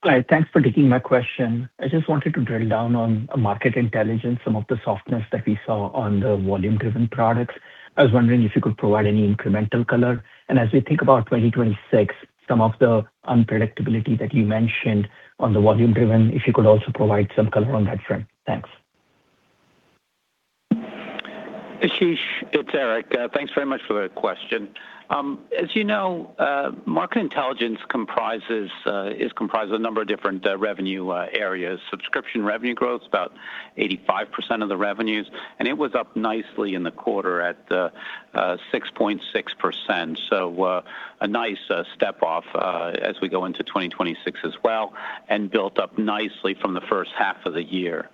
Hi, thanks for taking my question. I just wanted to drill down on Market Intelligence, some of the softness that we saw on the volume-driven products. I was wondering if you could provide any incremental color. As we think about 2026, some of the unpredictability that you mentioned on the volume-driven, if you could also provide some color on that front. Thanks. Ashish, it's Eric. Thanks very much for the question. As you know, Market Intelligence comprises, is comprised of a number of different revenue areas. Subscription revenue growth is about 85% of the revenues, and it was up nicely in the quarter at 6.6%. So, a nice step off as we go into 2026 as well, and built up nicely from the first half of the year.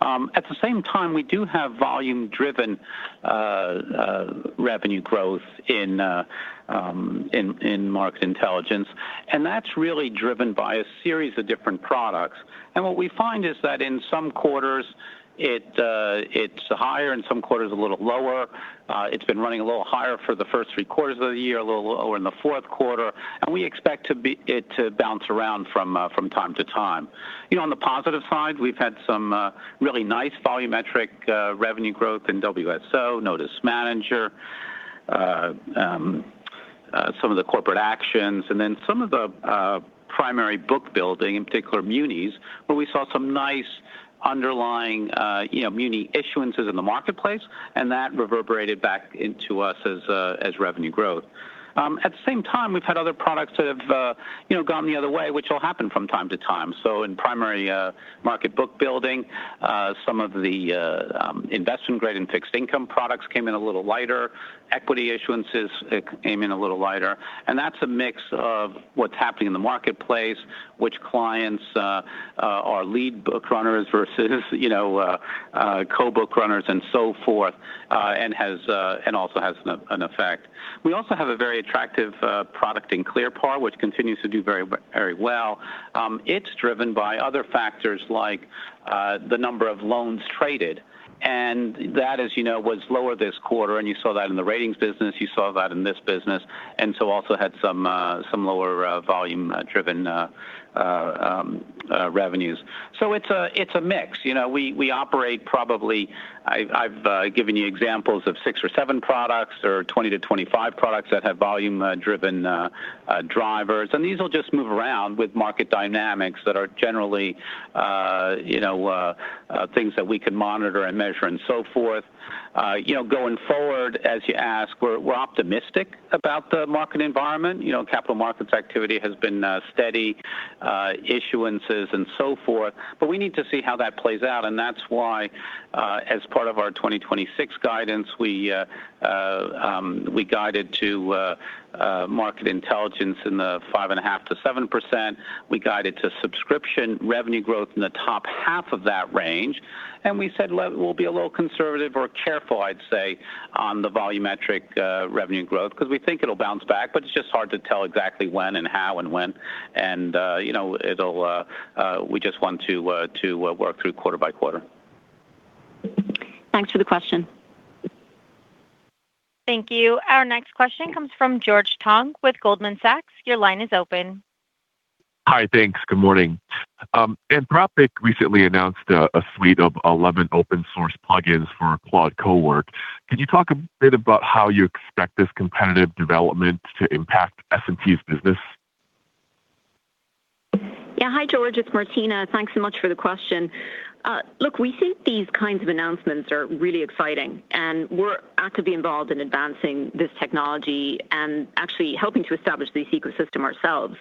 At the same time, we do have volume-driven revenue growth in, in Market Intelligence, and that's really driven by a series of different products. And what we find is that in some quarters it, it's higher, in some quarters, a little lower. It's been running a little higher for the first three quarters of the year, a little lower in the fourth quarter, and we expect it to bounce around from time to time. You know, on the positive side, we've had some really nice volumetric revenue growth in WSO, Notice Manager, some of corporate actions, and then some of the primary book building, in particular, munis, where we saw some nice underlying, you know, muni issuances in the marketplace, and that reverberated back into us as revenue growth. At the same time, we've had other products that have, you know, gone the other way, which will happen from time to time. So in primary market book building, some of the investment-grade and fixed income products came in a little lighter. Equity issuances came in a little lighter, and that's a mix of what's happening in the marketplace, which clients are lead book runners versus, you know, co-book runners and so forth, and also has an effect. We also have a very attractive product in ClearPar, which continues to do very well. It's driven by other factors like the number of loans traded, and that, as you know, was lower this quarter, and you saw that in the ratings business, you saw that in this business, and so also had some lower volume-driven revenues. So it's a mix. You know, we operate probably... I've given you examples of 6 or 7 products or 20-25 products that have volume driven drivers, and these will just move around with market dynamics that are generally, you know, things that we can monitor and measure and so forth. You know, going forward, as you ask, we're optimistic about the market environment. You know, capital markets activity has been steady, issuances and so forth, but we need to see how that plays out, and that's why, as part of our 2026 guidance, we guided to Market Intelligence in the 5.5%-7%. We guided to subscription revenue growth in the top half of that range, and we said we'll be a little conservative or careful, I'd say, on the volumetric revenue growth because we think it'll bounce back, but it's just hard to tell exactly when and how and when. And you know, we just want to work through quarter by quarter. Thanks for the question. Thank you. Our next question comes from George Tong with Goldman Sachs. Your line is open. Hi, thanks. Good morning. Anthropic recently announced a suite of 11 open source plugins for Claude Copilot. Can you talk a bit about how you expect this competitive development to impact S&P's business? Yeah. Hi, George, it's Martina. Thanks so much for the question. Look, we think these kinds of announcements are really exciting, and we're actively involved in advancing this technology and actually helping to establish this ecosystem ourselves.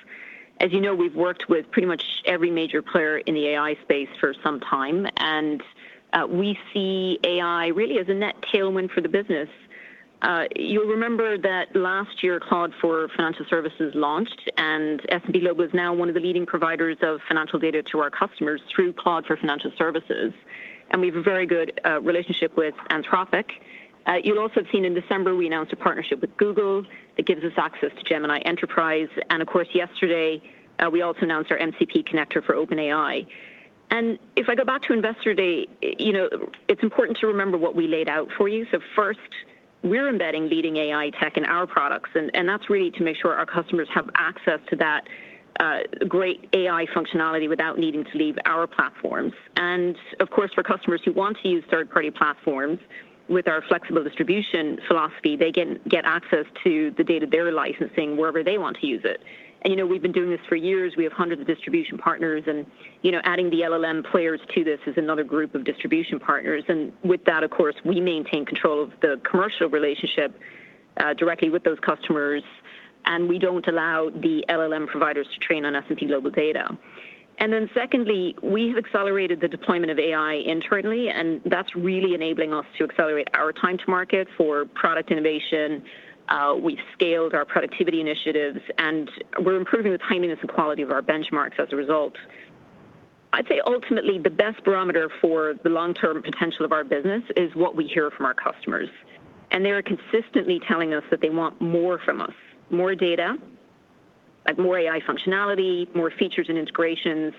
As you know, we've worked with pretty much every major player in the AI space for some time, and we see AI really as a net tailwind for the business. You'll remember that last year, Claude for Financial Services launched, and S&P Global is now one of the leading providers of financial data to our customers through Claude for Financial Services, and we have a very good relationship with Anthropic. You'll also have seen in December, we announced a partnership with Google that gives us access to Gemini Enterprise. And of course, yesterday, we also announced our MCP connector for OpenAI. And if I go back to Investor Day, you know, it's important to remember what we laid out for you. So first, we're embedding leading AI tech in our products, and that's really to make sure our customers have access to that great AI functionality without needing to leave our platforms. Of course, for customers who want to use third-party platforms with our flexible distribution philosophy, they can get access to the data they're licensing wherever they want to use it. And, you know, we've been doing this for years. We have hundreds of distribution partners, and, you know, adding the LLM players to this is another group of distribution partners. And with that, of course, we maintain control of the commercial relationship directly with those customers, and we don't allow the LLM providers to train on S&P Global data. And then secondly, we have accelerated the deployment of AI internally, and that's really enabling us to accelerate our time to market for product innovation. We've scaled our productivity initiatives, and we're improving the timeliness and quality of our benchmarks as a result. I'd say ultimately, the best barometer for the long-term potential of our business is what we hear from our customers, and they are consistently telling us that they want more from us, more data, like more AI functionality, more features and integrations,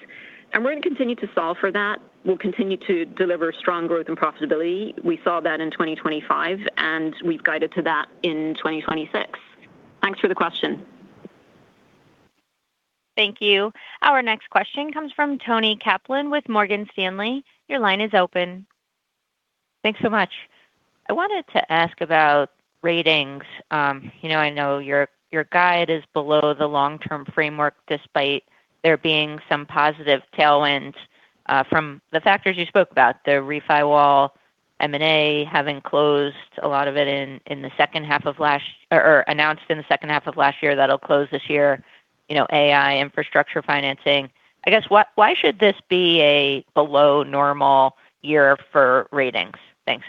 and we're going to continue to solve for that. We'll continue to deliver strong growth and profitability. We saw that in 2025, and we've guided to that in 2026. Thanks for the question. Thank you. Our next question comes from Toni Kaplan with Morgan Stanley. Your line is open. Thanks so much. I wanted to ask about ratings. You know, I know your guide is below the long-term framework, despite there being some positive tailwinds from the factors you spoke about, the refi wall, M&A, having closed a lot of it in the second half of last year or announced in the second half of last year, that'll close this year, you know, AI, infrastructure financing. I guess, why should this be a below-normal year for ratings? Thanks.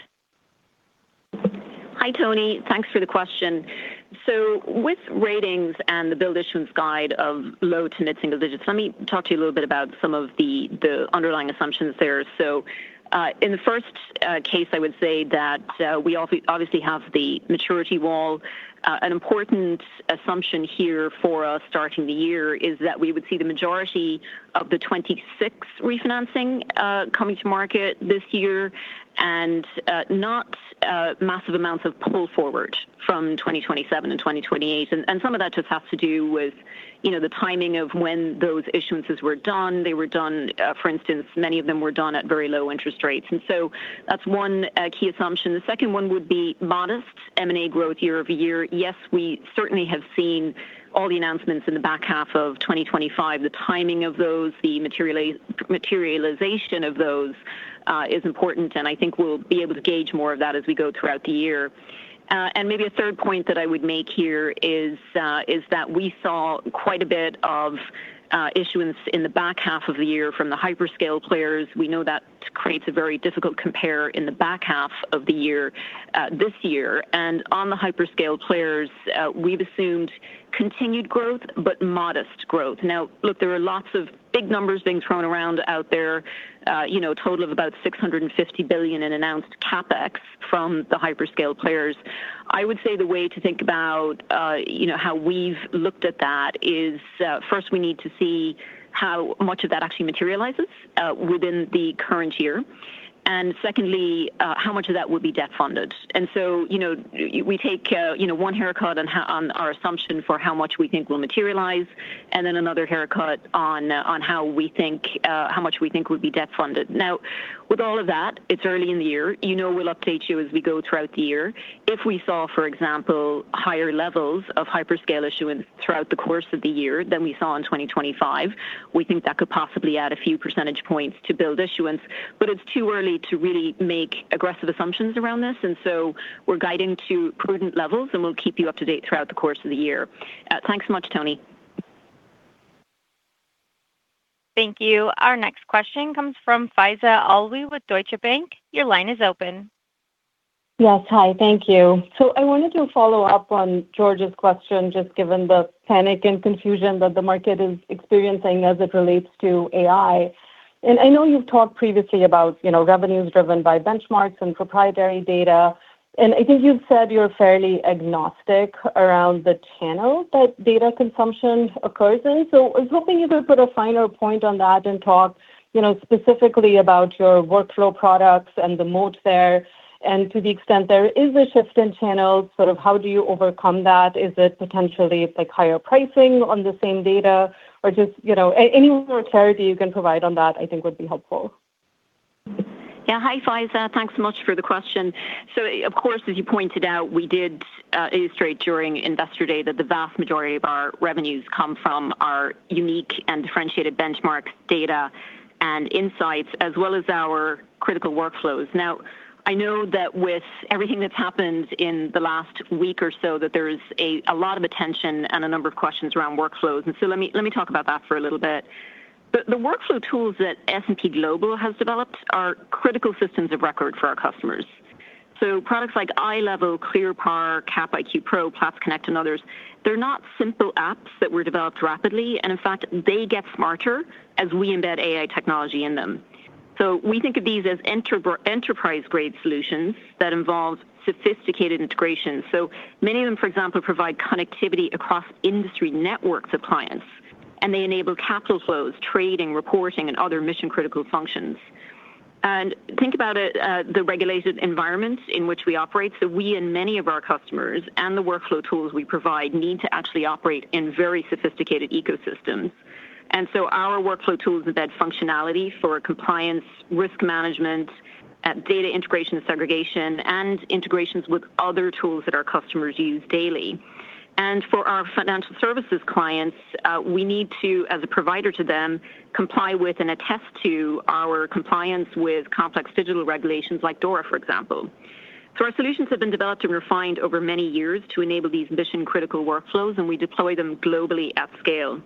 Hi, Toni. Thanks for the question. So with ratings and the bond issuance guide of low to mid-single digits, let me talk to you a little bit about some of the underlying assumptions there. So, in the first case, I would say that we obviously have the maturity wall. An important assumption here for us starting the year is that we would see the majority of the 2026 refinancing coming to market this year and not massive amounts of pull forward from 2027 and 2028. And some of that just has to do with, you know, the timing of when those issuances were done. They were done, for instance, many of them were done at very low interest rates, and so that's one key assumption. The second one would be modest M&A growth year-over-year. Yes, we certainly have seen all the announcements in the back half of 2025. The timing of those, the materialization of those, is important, and I think we'll be able to gauge more of that as we go throughout the year. And maybe a third point that I would make here is, is that we saw quite a bit of issuance in the back half of the year from the hyperscale players. We know that creates a very difficult compare in the back half of the year, this year. And on the hyperscale players, we've assumed continued growth, but modest growth. Now, look, there are lots of big numbers being thrown around out there, you know, a total of about $650 billion in announced CapEx from the hyperscale players. I would say the way to think about, you know, how we've looked at that is, first, we need to see how much of that actually materializes, within the current year, and secondly, how much of that would be debt-funded. And so, you know, we take, you know, one haircut on our assumption for how much we think will materialize, and then another haircut on how we think, how much we think would be debt-funded. Now, with all of that, it's early in the year. You know we'll update you as we go throughout the year. If we saw, for example, higher levels of hyperscale issuance throughout the course of the year than we saw in 2025, we think that could possibly add a few percentage points to build issuance. But it's too early to really make aggressive assumptions around this, and so we're guiding to prudent levels, and we'll keep you up to date throughout the course of the year. Thanks so much, Toni. Thank you. Our next question comes from Faiza Alwy with Deutsche Bank. Your line is open. Yes. Hi, thank you. So I wanted to follow up on George's question, just given the panic and confusion that the market is experiencing as it relates to AI. And I know you've talked previously about, you know, revenues driven by benchmarks and proprietary data, and I think you've said you're fairly agnostic around the channel that data consumption occurs in. So I was hoping you could put a finer point on that and talk, you know, specifically about your workflow products and the moat there. And to the extent there is a shift in channels, sort of how do you overcome that? Is it potentially, like, higher pricing on the same data? Or just, you know, any more clarity you can provide on that, I think, would be helpful. Yeah. Hi, Faiza. Thanks so much for the question. So of course, as you pointed out, we did illustrate during Investor Day that the vast majority of our revenues come from our unique and differentiated benchmark data and insights, as well as our critical workflows. Now, I know that with everything that's happened in the last week or so, that there's a lot of attention and a number of questions around workflows, and so let me talk about that for a little bit.... The workflow tools that S&P Global has developed are critical systems of record for our customers. So products like iLEVEL, ClearPar, Cap IQ Pro, Platts Connect, and others, they're not simple apps that were developed rapidly, and in fact, they get smarter as we embed AI technology in them. So we think of these as enterprise-grade solutions that involve sophisticated integration. Many of them, for example, provide connectivity across industry networks of clients, and they enable capital flows, trading, reporting, and other mission-critical functions. Think about it, the regulated environments in which we operate, so we and many of our customers and the workflow tools we provide need to actually operate in very sophisticated ecosystems. So our workflow tools embed functionality for compliance, risk management, data integration and segregation, and integrations with other tools that our customers use daily. For our financial services clients, we need to, as a provider to them, comply with and attest to our compliance with complex digital regulations like DORA, for example. Our solutions have been developed and refined over many years to enable these mission-critical workflows, and we deploy them globally at scale.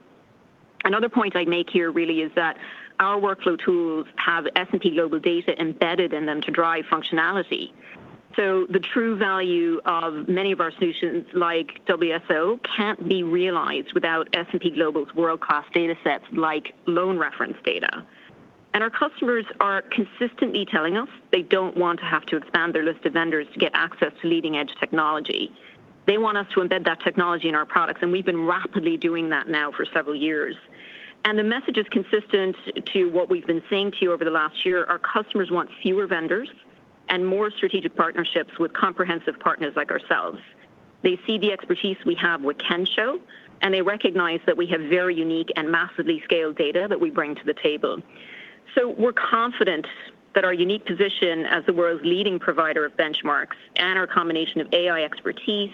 Another point I'd make here really is that our workflow tools have S&P Global data embedded in them to drive functionality. So the true value of many of our solutions, like WSO, can't be realized without S&P Global's world-class datasets like loan reference data. And our customers are consistently telling us they don't want to have to expand their list of vendors to get access to leading-edge technology. They want us to embed that technology in our products, and we've been rapidly doing that now for several years. And the message is consistent to what we've been saying to you over the last year. Our customers want fewer vendors and more strategic partnerships with comprehensive partners like ourselves. They see the expertise we have with Kensho, and they recognize that we have very unique and massively scaled data that we bring to the table. We're confident that our unique position as the world's leading provider of benchmarks and our combination of AI expertise,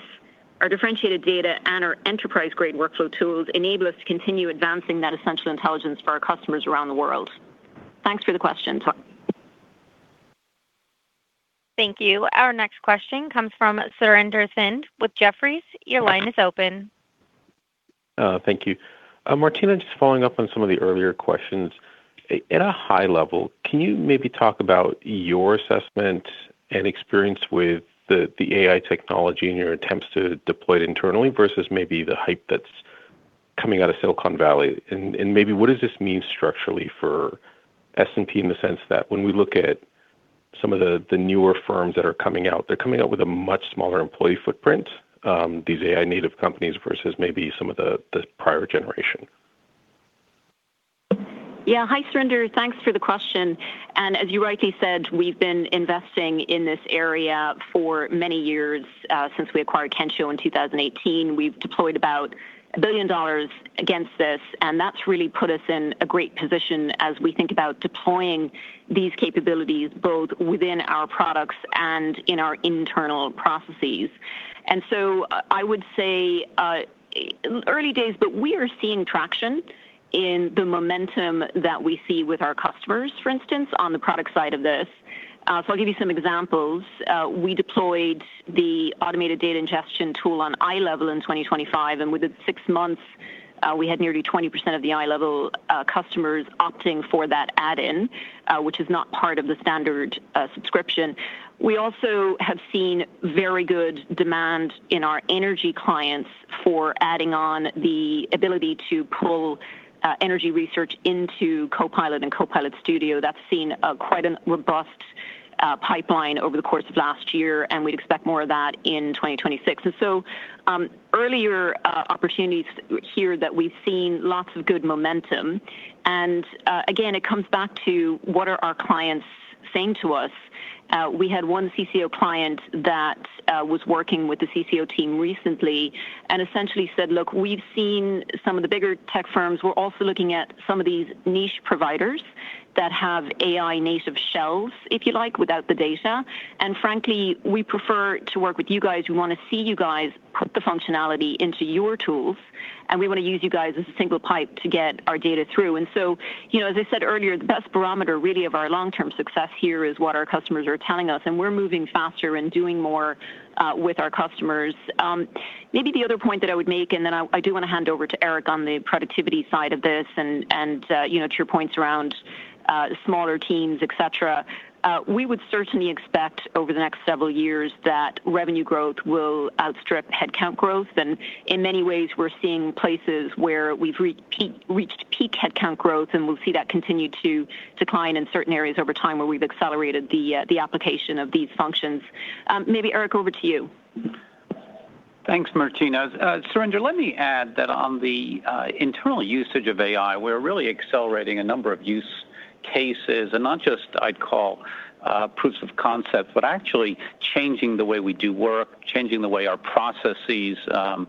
our differentiated data, and our enterprise-grade workflow tools enable us to continue advancing that essential intelligence for our customers around the world. Thanks for the question. Thank you. Our next question comes from Surinder Thind with Jefferies. Your line is open. Thank you. Martina, just following up on some of the earlier questions. At a high level, can you maybe talk about your assessment and experience with the AI technology and your attempts to deploy it internally versus maybe the hype that's coming out of Silicon Valley? And maybe what does this mean structurally for S&P in the sense that when we look at some of the newer firms that are coming out, they're coming out with a much smaller employee footprint, these AI-native companies versus maybe some of the prior generation? Yeah. Hi, Surinder. Thanks for the question, and as you rightly said, we've been investing in this area for many years, since we acquired Kensho in 2018. We've deployed about $1 billion against this, and that's really put us in a great position as we think about deploying these capabilities, both within our products and in our internal processes. So I would say early days, but we are seeing traction in the momentum that we see with our customers, for instance, on the product side of this. So I'll give you some examples. We deployed the automated data ingestion tool on iLEVEL in 2025, and within six months, we had nearly 20% of the iLEVEL customers opting for that add-in, which is not part of the standard subscription. We also have seen very good demand in our energy clients for adding on the ability to pull energy research into Copilot and Copilot Studio. That's seen quite a robust pipeline over the course of last year, and we'd expect more of that in 2026. And so, earlier opportunities here that we've seen lots of good momentum, and again, it comes back to what are our clients saying to us. We had one CCO client that was working with the CCO team recently and essentially said: "Look, we've seen some of the bigger tech firms. We're also looking at some of these niche providers that have AI-native shells, if you like, without the data, and frankly, we prefer to work with you guys. We want to see you guys put the functionality into your tools, and we want to use you guys as a single pipe to get our data through." And so, you know, as I said earlier, the best barometer, really, of our long-term success here is what our customers are telling us, and we're moving faster and doing more with our customers. Maybe the other point that I would make, and then I do want to hand over to Eric on the productivity side of this and, you know, to your points around smaller teams, et cetera. We would certainly expect over the next several years that revenue growth will outstrip headcount growth, and in many ways, we're seeing places where we've reached peak headcount growth, and we'll see that continue to decline in certain areas over time where we've accelerated the, the application of these functions. Maybe, Eric, over to you. Thanks, Martina. Surinder, let me add that on the internal usage of AI, we're really accelerating a number of use cases, and not just I'd call proofs of concept, but actually changing the way we do work, changing the way our processes are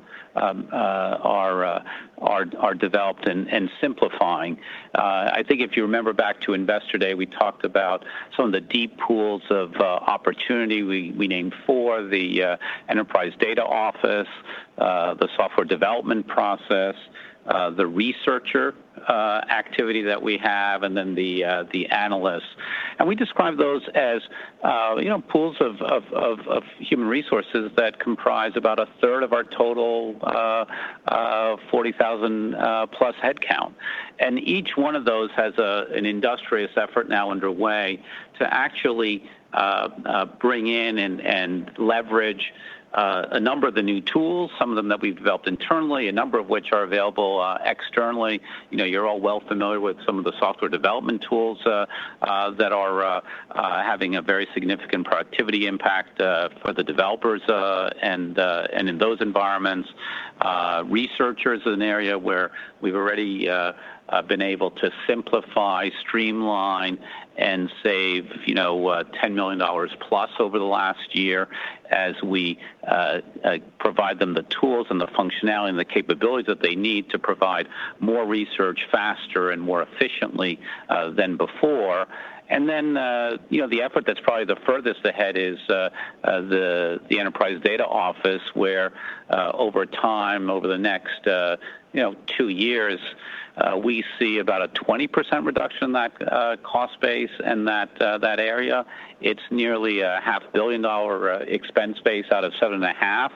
developed and simplifying. I think if you remember back to Investor Day, we talked about some of the deep pools of opportunity. We named four, the Enterprise Data Office, the software development process, the researcher activity that we have, and then the analysts. And we describe those as, you know, pools of human resources that comprise about a third of our total... 40,000+ headcount, and each one of those has an industrious effort now underway to actually bring in and leverage a number of the new tools, some of them that we've developed internally, a number of which are available externally. You know, you're all well familiar with some of the software development tools that are having a very significant productivity impact for the developers and in those environments. Researchers is an area where we've already been able to simplify, streamline, and save, you know, $10 million+ over the last year as we provide them the tools and the functionality and the capabilities that they need to provide more research faster and more efficiently than before. Then, you know, the effort that's probably the furthest ahead is the enterprise data office, where, over time, over the next, you know, two years, we see about a 20% reduction in that cost base and that area. It's nearly a $0.5 billion expense base out of $7.5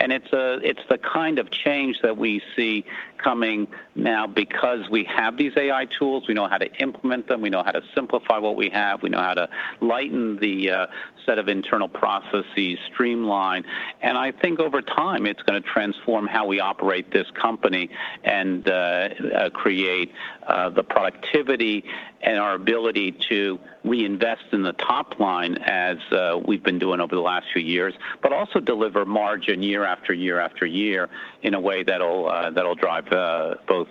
billion. It's the kind of change that we see coming now because we have these AI tools. We know how to implement them, we know how to simplify what we have, we know how to lighten the set of internal processes, streamline. I think over time, it's gonna transform how we operate this company and create the productivity and our ability to reinvest in the top line as we've been doing over the last few years, but also deliver margin year after year after year, in a way that'll drive both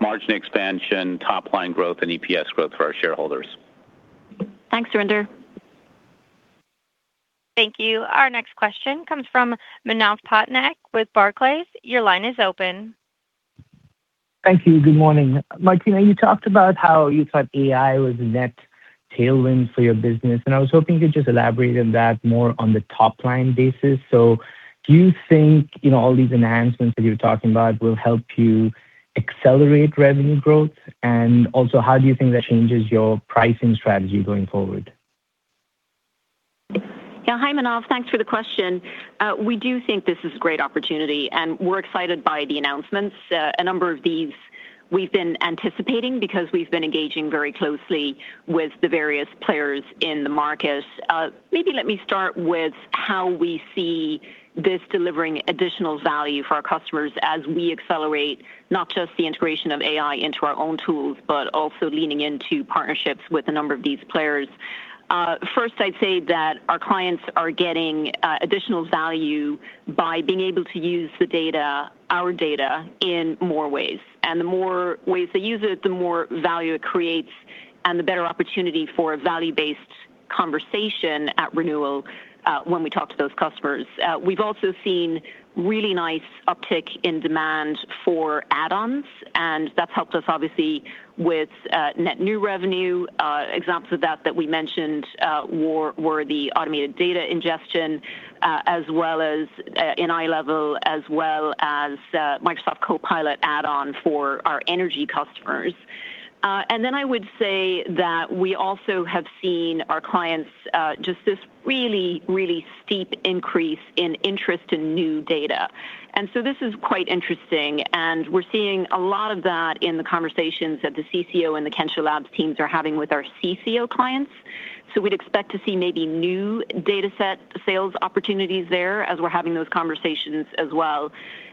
margin expansion, top-line growth, and EPS growth for our shareholders. Thanks, Surinder. Thank you. Our next question comes from Manav Patnaik with Barclays. Your line is open. Thank you. Good morning. Martina, you talked about how you thought AI was a net tailwind for your business, and I was hoping you'd just elaborate on that more on the top-line basis. So do you think, you know, all these enhancements that you're talking about will help you accelerate revenue growth? And also, how do you think that changes your pricing strategy going forward? Yeah. Hi, Manav. Thanks for the question. We do think this is a great opportunity, and we're excited by the announcements. A number of these we've been anticipating because we've been engaging very closely with the various players in the market. Maybe let me start with how we see this delivering additional value for our customers as we accelerate not just the integration of AI into our own tools, but also leaning into partnerships with a number of these players. First, I'd say that our clients are getting additional value by being able to use the data, our data, in more ways. And the more ways they use it, the more value it creates and the better opportunity for a value-based conversation at renewal when we talk to those customers. We've also seen really nice uptick in demand for add-ons, and that's helped us, obviously, with net new revenue. Examples of that that we mentioned were the automated data ingestion as well as NI Level as well as Microsoft Copilot add-on for our energy customers. And then I would say that we also have seen our clients just this really really steep increase in interest in new data. And so this is quite interesting, and we're seeing a lot of that in the conversations that the CCO and the Kensho Labs teams are having with our CCO clients. So we'd expect to see maybe new data set sales opportunities there as we're having those conversations as well.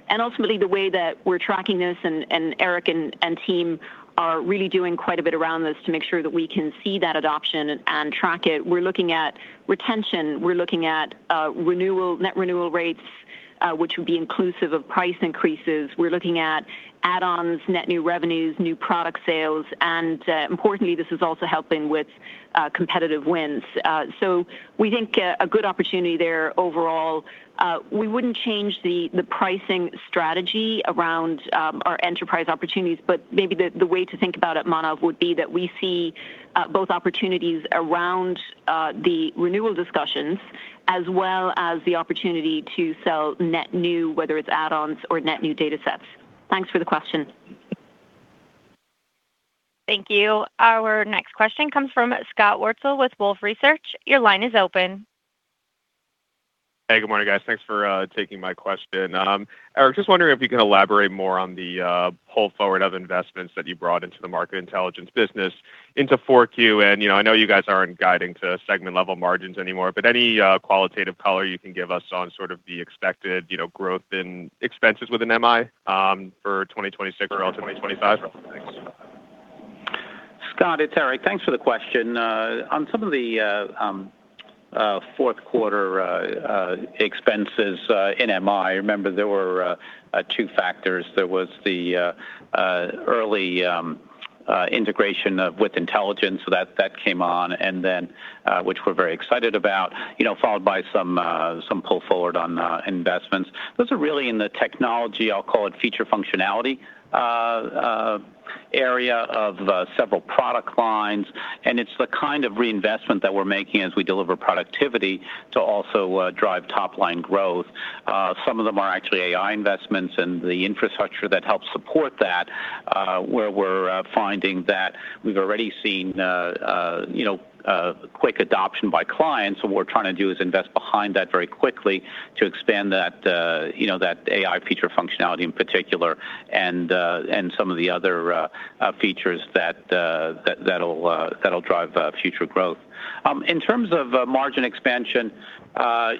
Ultimately, the way that we're tracking this, Eric and team are really doing quite a bit around this to make sure that we can see that adoption and track it. We're looking at retention. We're looking at renewal-net renewal rates, which would be inclusive of price increases. We're looking at add-ons, net new revenues, new product sales, and importantly, this is also helping with competitive wins. So we think a good opportunity there overall. We wouldn't change the pricing strategy around our enterprise opportunities, but maybe the way to think about it, Manav, would be that we see both opportunities around the renewal discussions as well as the opportunity to sell net new, whether it's add-ons or net new data sets. Thanks for the question. Thank you. Our next question comes from Scott Wurtzel with Wolfe Research. Your line is open. Hey, good morning, guys. Thanks for taking my question. Eric, just wondering if you can elaborate more on the pull forward of investments that you brought into the market intelligence business into 4Q. And, you know, I know you guys aren't guiding to segment-level margins anymore, but any qualitative color you can give us on sort of the expected, you know, growth in expenses within MI, for 2026 or ultimately 2025? Thanks. Scott, it's Eric. Thanks for the question. On some of the fourth quarter expenses in MI, remember, there were two factors. There was the early integration of with intelligence, so that came on, and then, which we're very excited about, you know, followed by some pull forward on investments. Those are really in the technology, I'll call it, feature functionality area of several product lines, and it's the kind of reinvestment that we're making as we deliver productivity to also drive top-line growth. Some of them are actually AI investments and the infrastructure that helps support that. Where we're, you know, quick adoption by clients. So what we're trying to do is invest behind that very quickly to expand that, you know, that AI feature functionality in particular, and, and some of the other, features that, that, that'll, that'll drive, future growth. In terms of, margin expansion,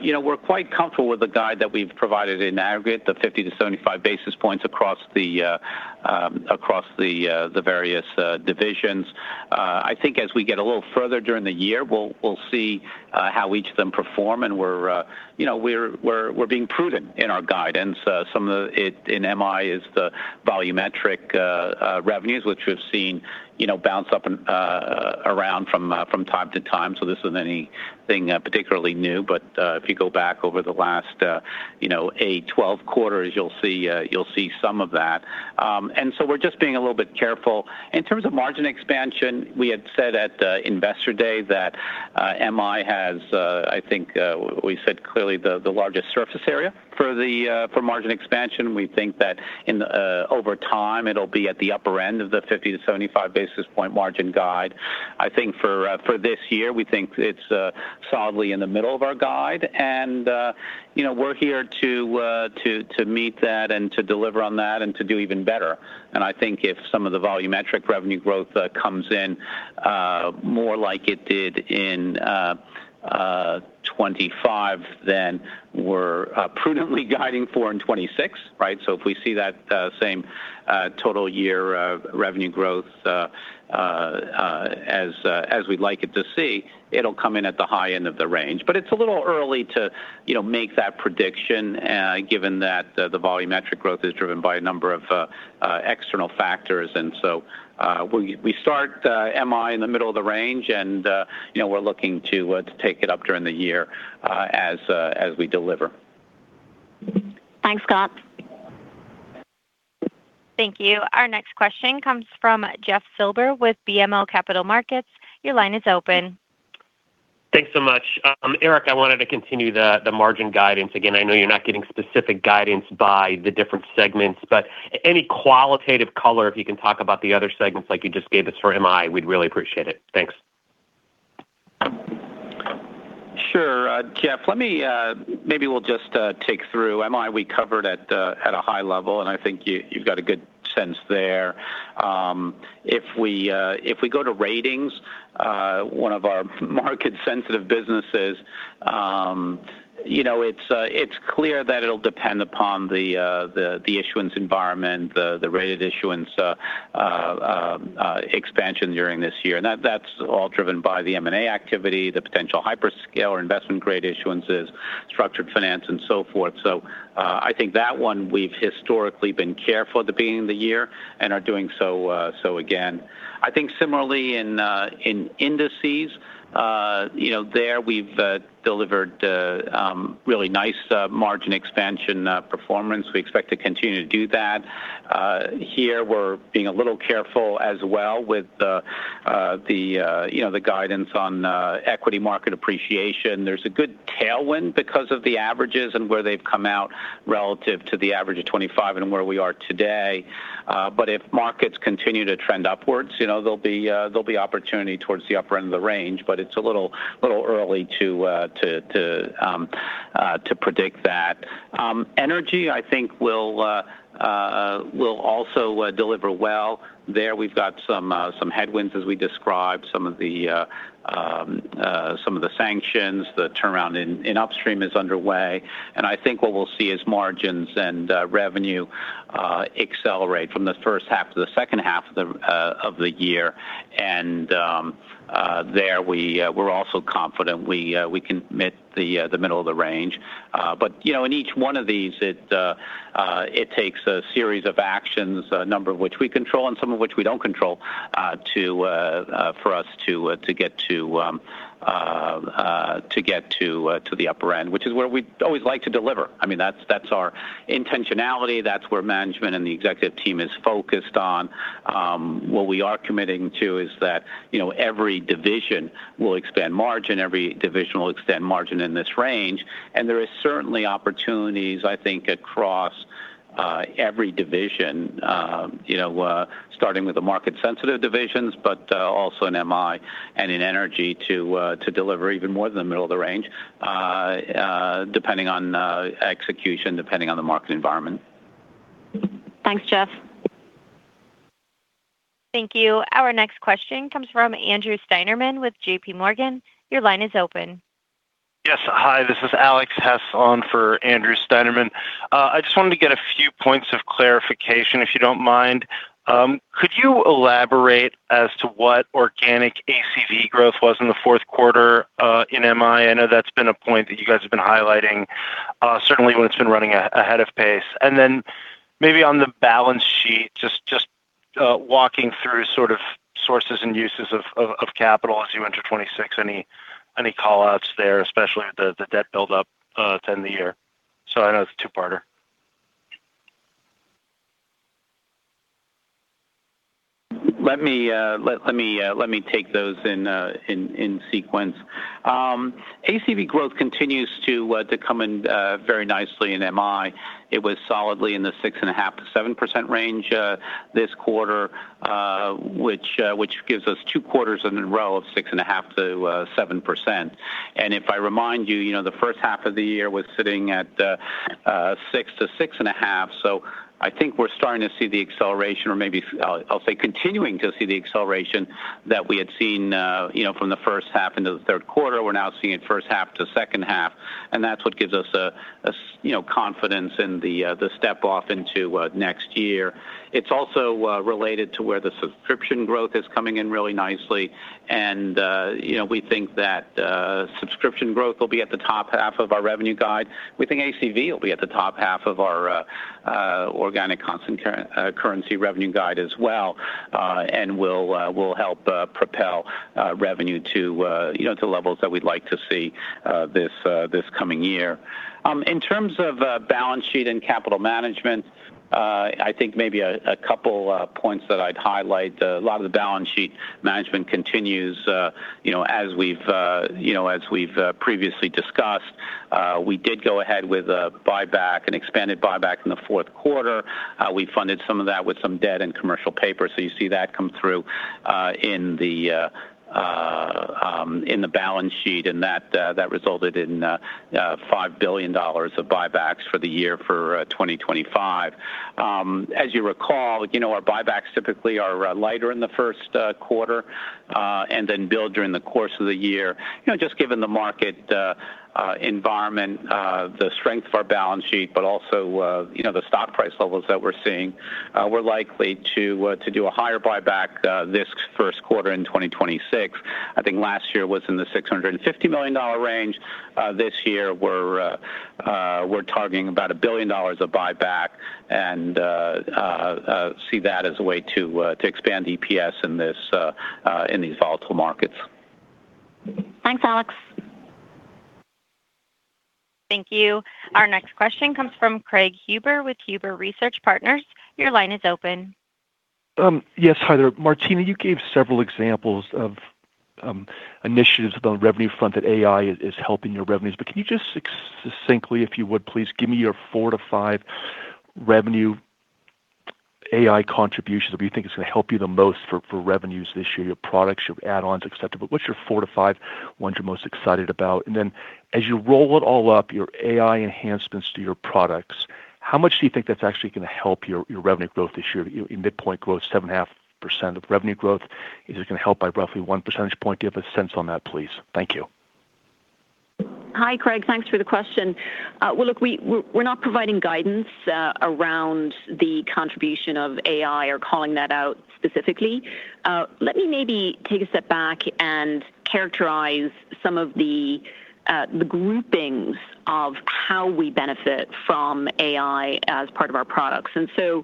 you know, we're quite comfortable with the guide that we've provided in aggregate, the 50-75 basis points across the, across the, the various, divisions. I think as we get a little further during the year, we'll, we'll see, how each of them perform, and we're, you know, we're, we're, we're being prudent in our guidance. Some of the it in MI is the volumetric revenues, which we've seen, you know, bounce up and around from time to time. So this isn't anything particularly new, but if you go back over the last, you know, eight, 12 quarters, you'll see some of that. So we're just being a little bit careful. In terms of margin expansion, we had said at the Investor Day that MI has, I think, we said clearly the largest surface area for the margin expansion. We think that in over time, it'll be at the upper end of the 50-75 basis point margin guide. I think for this year, we think it's solidly in the middle of our guide, and you know, we're here to meet that and to deliver on that and to do even better. And I think if some of the volumetric revenue growth comes in more like it did in 2025, then we're prudently guiding for in 2026, right? So if we see that same total year of revenue growth as we'd like it to see, it'll come in at the high end of the range. But it's a little early to you know, make that prediction given that the volumetric growth is driven by a number of external factors. And so, we start MI in the middle of the range, and, you know, we're looking to take it up during the year, as we deliver. Thanks, Scott. Thank you. Our next question comes from Jeff Silber with BMO Capital Markets. Your line is open. Thanks so much. Eric, I wanted to continue the margin guidance. Again, I know you're not getting specific guidance by the different segments, but any qualitative color, if you can talk about the other segments like you just gave us for MI, we'd really appreciate it. Thanks. Sure. Jeff, let me... Maybe we'll just take through. MI, we covered at the, at a high level, and I think you, you've got a good sense there. If we go to ratings, one of our market-sensitive businesses, you know, it's clear that it'll depend upon the the issuance environment, the rated issuance, expansion during this year. And that's all driven by the M&A activity, the potential hyperscale or investment-grade issuances, structured finance, and so forth. So, I think that one we've historically been careful at the beginning of the year and are doing so, so again. I think similarly in indices, you know, there we've delivered really nice margin expansion performance. We expect to continue to do that. Here, we're being a little careful as well with the, you know, the guidance on equity market appreciation. There's a good tailwind because of the averages and where they've come out relative to the average of 25 and where we are today. But if markets continue to trend upwards, you know, there'll be opportunity towards the upper end of the range, but it's a little early to predict that. Energy, I think, will also deliver well. There, we've got some headwinds as we described, some of the sanctions. The turnaround in upstream is underway, and I think what we'll see is margins and revenue accelerate from the first half to the second half of the year, and we're also confident we can meet the middle of the range. But you know, in each one of these, it takes a series of actions, a number of which we control and some of which we don't control, to get to the upper end, which is where we'd always like to deliver. I mean, that's our intentionality. That's where management and the executive team is focused on. What we are committing to is that, you know, every division will extend margin, every division will extend margin in this range, and there are certainly opportunities, I think, across every division, you know, starting with the market-sensitive divisions, but also in MI and in energy to deliver even more than the middle of the range, depending on execution, depending on the market environment. Thanks, Jeff. Thank you. Our next question comes from Andrew Steinerman with JPMorgan. Your line is open. Yes. Hi, this is Alex Hess on for Andrew Steinerman. I just wanted to get a few points of clarification, if you don't mind. Could you elaborate as to what organic ACV growth was in the fourth quarter in MI? I know that's been a point that you guys have been highlighting, certainly when it's been running ahead of pace. And then maybe on the balance sheet, just walking through sort of sources and uses of capital as you enter 2026. Any call-outs there, especially the debt buildup to end the year? So I know it's a two-parter. Let me take those in, in, in sequence. ACV growth continues to, to come in, very nicely in MI. It was solidly in the 6.5%-7% range, this quarter, which, which gives us two quarters in a row of 6.5%-7%. And if I remind you, you know, the first half of the year was sitting at, six to 6.5%. So I think we're starting to see the acceleration or maybe, I'll say continuing to see the acceleration that we had seen, you know, from the first half into the third quarter. We're now seeing it first half to second half, and that's what gives us you know, confidence in the step off into next year. It's also related to where the subscription growth is coming in really nicely, and you know, we think that subscription growth will be at the top half of our revenue guide. We think ACV will be at the top half of our organic constant currency revenue guide as well, and will help propel revenue to you know, to levels that we'd like to see this coming year. In terms of balance sheet and capital management, I think maybe a couple points that I'd highlight. A lot of the balance sheet management continues, you know, as we've previously discussed. We did go ahead with a buyback, an expanded buyback in the fourth quarter. We funded some of that with some debt and commercial paper, so you see that come through in the balance sheet, and that resulted in $5 billion of buybacks for the year for 2025. As you recall, you know, our buybacks typically are lighter in the first quarter and then build during the course of the year. You know, just given the market environment, the strength of our balance sheet, but also, you know, the stock price levels that we're seeing, we're likely to do a higher buyback this first quarter in 2026. I think last year was in the $650 million range. This year, we're targeting about $1 billion of buyback and see that as a way to expand EPS in these volatile markets. Thanks, Alex. Thank you. Our next question comes from Craig Huber with Huber Research Partners. Your line is open. Yes. Hi there. Martina, you gave several examples of initiatives on the revenue front that AI is helping your revenues. But can you just succinctly, if you would please, give me your four to five revenue AI contributions that you think is going to help you the most for revenues this year, your products, your add-ons, et cetera. But what's your four to five ones you're most excited about? And then as you roll it all up, your AI enhancements to your products, how much do you think that's actually going to help your revenue growth this year? Your midpoint growth, 7.5% revenue growth. Is it going to help by roughly one percentage point? Do you have a sense on that, please? Thank you. Hi, Craig. Thanks for the question. Well, look, we're not providing guidance around the contribution of AI or calling that out specifically. Let me maybe take a step back and characterize some of the groupings of how we benefit from AI as part of our products. And so,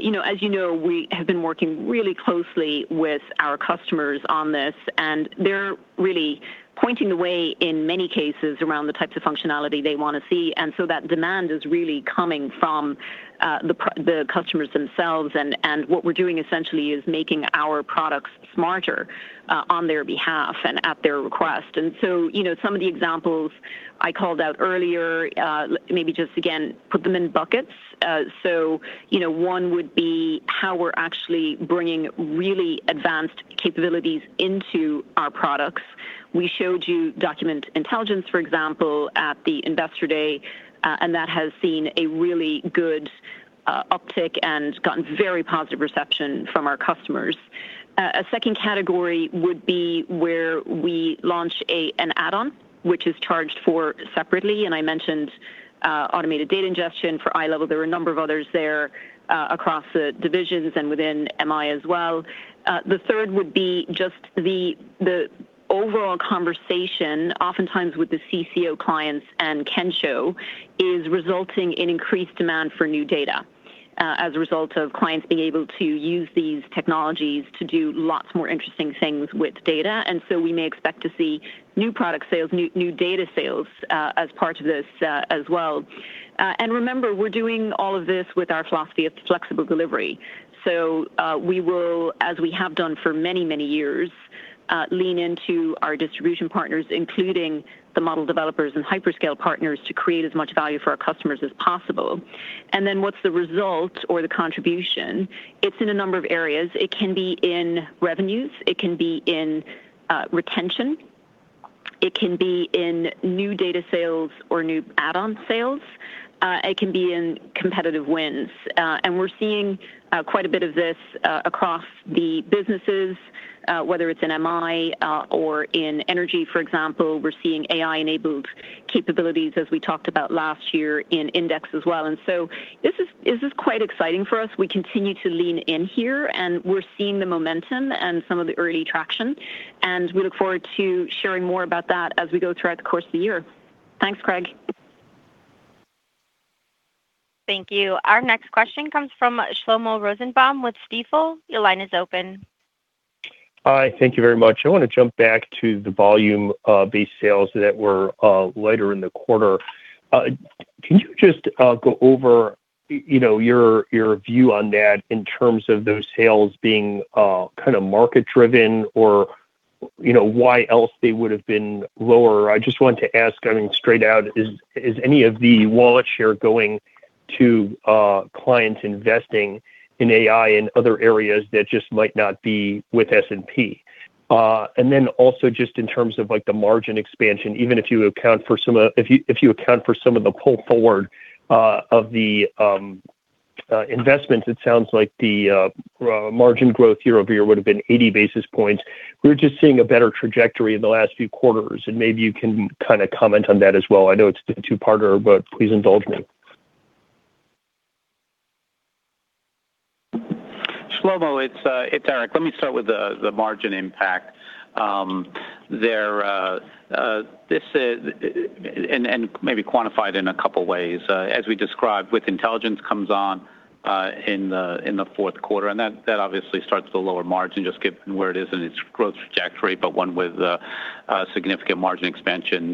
you know, as you know, we have been working really closely with our customers on this, and they're really pointing the way, in many cases, around the types of functionality they want to see. And so that demand is really coming from the customers themselves, and what we're doing essentially is making our products smarter on their behalf and at their request. And so, you know, some of the examples I called out earlier, maybe just again, put them in buckets. You know, one would be how we're actually bringing really advanced capabilities into our products. We showed you document intelligence, for example, at the Investor Day, and that has seen a really good uptick and gotten very positive reception from our customers. A second category would be where we launch an add-on, which is charged for separately, and I mentioned automated data ingestion for eye level. There are a number of others there across the divisions and within MI as well. The third would be just the overall conversation, oftentimes with the CCO clients and Kensho, is resulting in increased demand for new data as a result of clients being able to use these technologies to do lots more interesting things with data. We may expect to see new product sales, new data sales, as part of this, as well. And remember, we're doing all of this with our philosophy of flexible delivery. So, we will, as we have done for many, many years, lean into our distribution partners, including the model developers and hyperscale partners, to create as much value for our customers as possible. And then what's the result or the contribution? It's in a number of areas. It can be in revenues, it can be in retention, it can be in new data sales or new add-on sales, it can be in competitive wins. And we're seeing quite a bit of this across the businesses, whether it's in MI or in energy, for example. We're seeing AI-enabled capabilities, as we talked about last year, in Index as well. And so this is, this is quite exciting for us. We continue to lean in here, and we're seeing the momentum and some of the early traction, and we look forward to sharing more about that as we go throughout the course of the year. Thanks, Craig. Thank you. Our next question comes from Shlomo Rosenbaum with Stifel. Your line is open. Hi, thank you very much. I want to jump back to the volume, base sales that were later in the quarter. Can you just go over, you know, your view on that in terms of those sales being kind of market-driven or, you know, why else they would have been lower? I just want to ask, I mean, straight out, is any of the wallet share going to clients investing in AI in other areas that just might not be with S&P? And then also just in terms of, like, the margin expansion, even if you account for some of- if you account for some of the pull forward of the investments, it sounds like the margin growth year-over-year would have been 80 basis points. We're just seeing a better trajectory in the last few quarters, and maybe you can kind of comment on that as well. I know it's a two-parter, but please indulge me. Shlomo, it's Eric. Let me start with the margin impact. This is... And maybe quantified in a couple ways. As we described, with intelligence comes on in the fourth quarter, and that obviously starts to lower margin, just given where it is in its growth trajectory, but one with significant margin expansion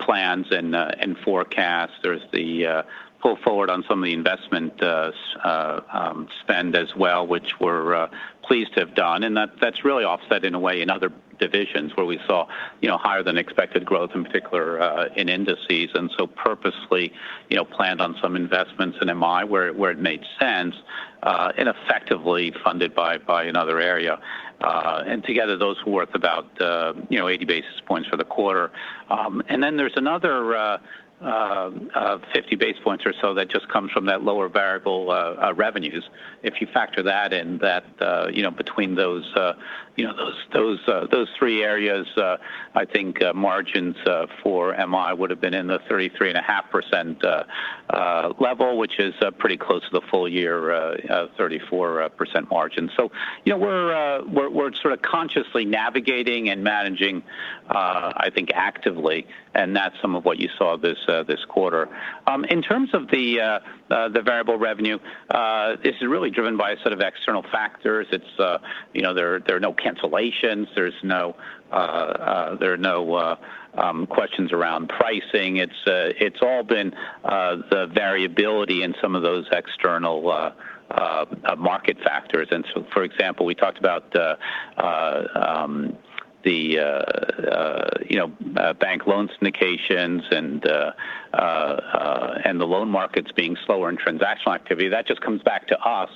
plans and forecasts. There's the pull forward on some of the investment spend as well, which we're pleased to have done, and that's really offset in a way in other divisions where we saw, you know, higher than expected growth, in particular, in indices, and so purposefully, you know, planned on some investments in MI, where it made sense, and effectively funded by another area. Together, those were worth about, you know, 80 basis points for the quarter. Then there's another, 50 basis points or so that just comes from that lower variable revenues. If you factor that in, that, you know, between those, you know, those three areas, I think margins for MI would have been in the 33.5% level, which is pretty close to the full year 34% margin. So, you know, we're sort of consciously navigating and managing, I think, actively, and that's some of what you saw this quarter. In terms of the variable revenue, this is really driven by a set of external factors. It's, you know, there are no cancellations, there's no questions around pricing. It's, it's all been the variability in some of those external market factors. And so, for example, we talked about the, you know, bank loan syndications and the loan markets being slower in transactional activity. That just comes back to us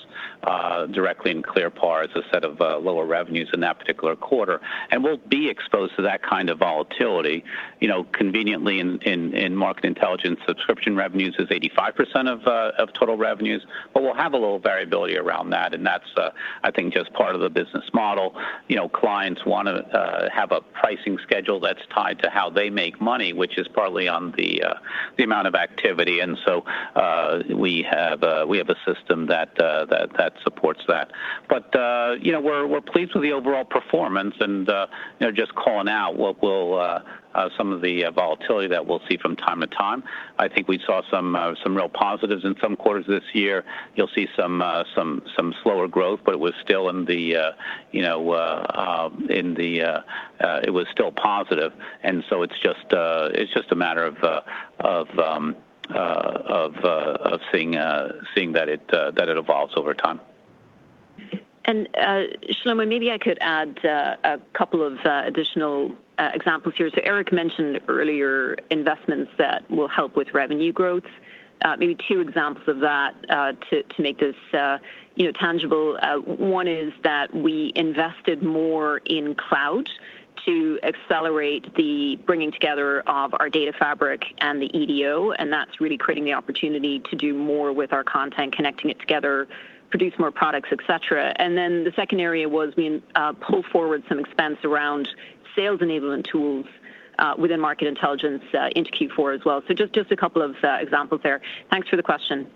directly in ClearPar as a set of lower revenues in that particular quarter. And we'll be exposed to that kind of volatility. You know, conveniently in market intelligence, subscription revenues is 85% of total revenues, but we'll have a little variability around that, and that's, I think, just part of the business model. You know, clients want to have a pricing schedule that's tied to how they make money, which is partly on the amount of activity, and so we have a system that supports that. But you know, we're pleased with the overall performance and you know, just calling out some of the volatility that we'll see from time to time. I think we saw some real positives in some quarters this year. You'll see some slower growth, but it was still in the you know, in the it was still positive, and so it's just a matter of seeing that it evolves over time. Shlomo, maybe I could add a couple of additional examples here. So Eric mentioned earlier, investments that will help with revenue growth. Maybe two examples of that, to make this, you know, tangible. One is that we invested more in cloud to accelerate the bringing together of our data fabric and the EDO, and that's really creating the opportunity to do more with our content, connecting it together, produce more products, et cetera. And then the second area was we pull forward some expense around sales enablement tools within market intelligence into Q4 as well. So just a couple of examples there. Thanks for the question.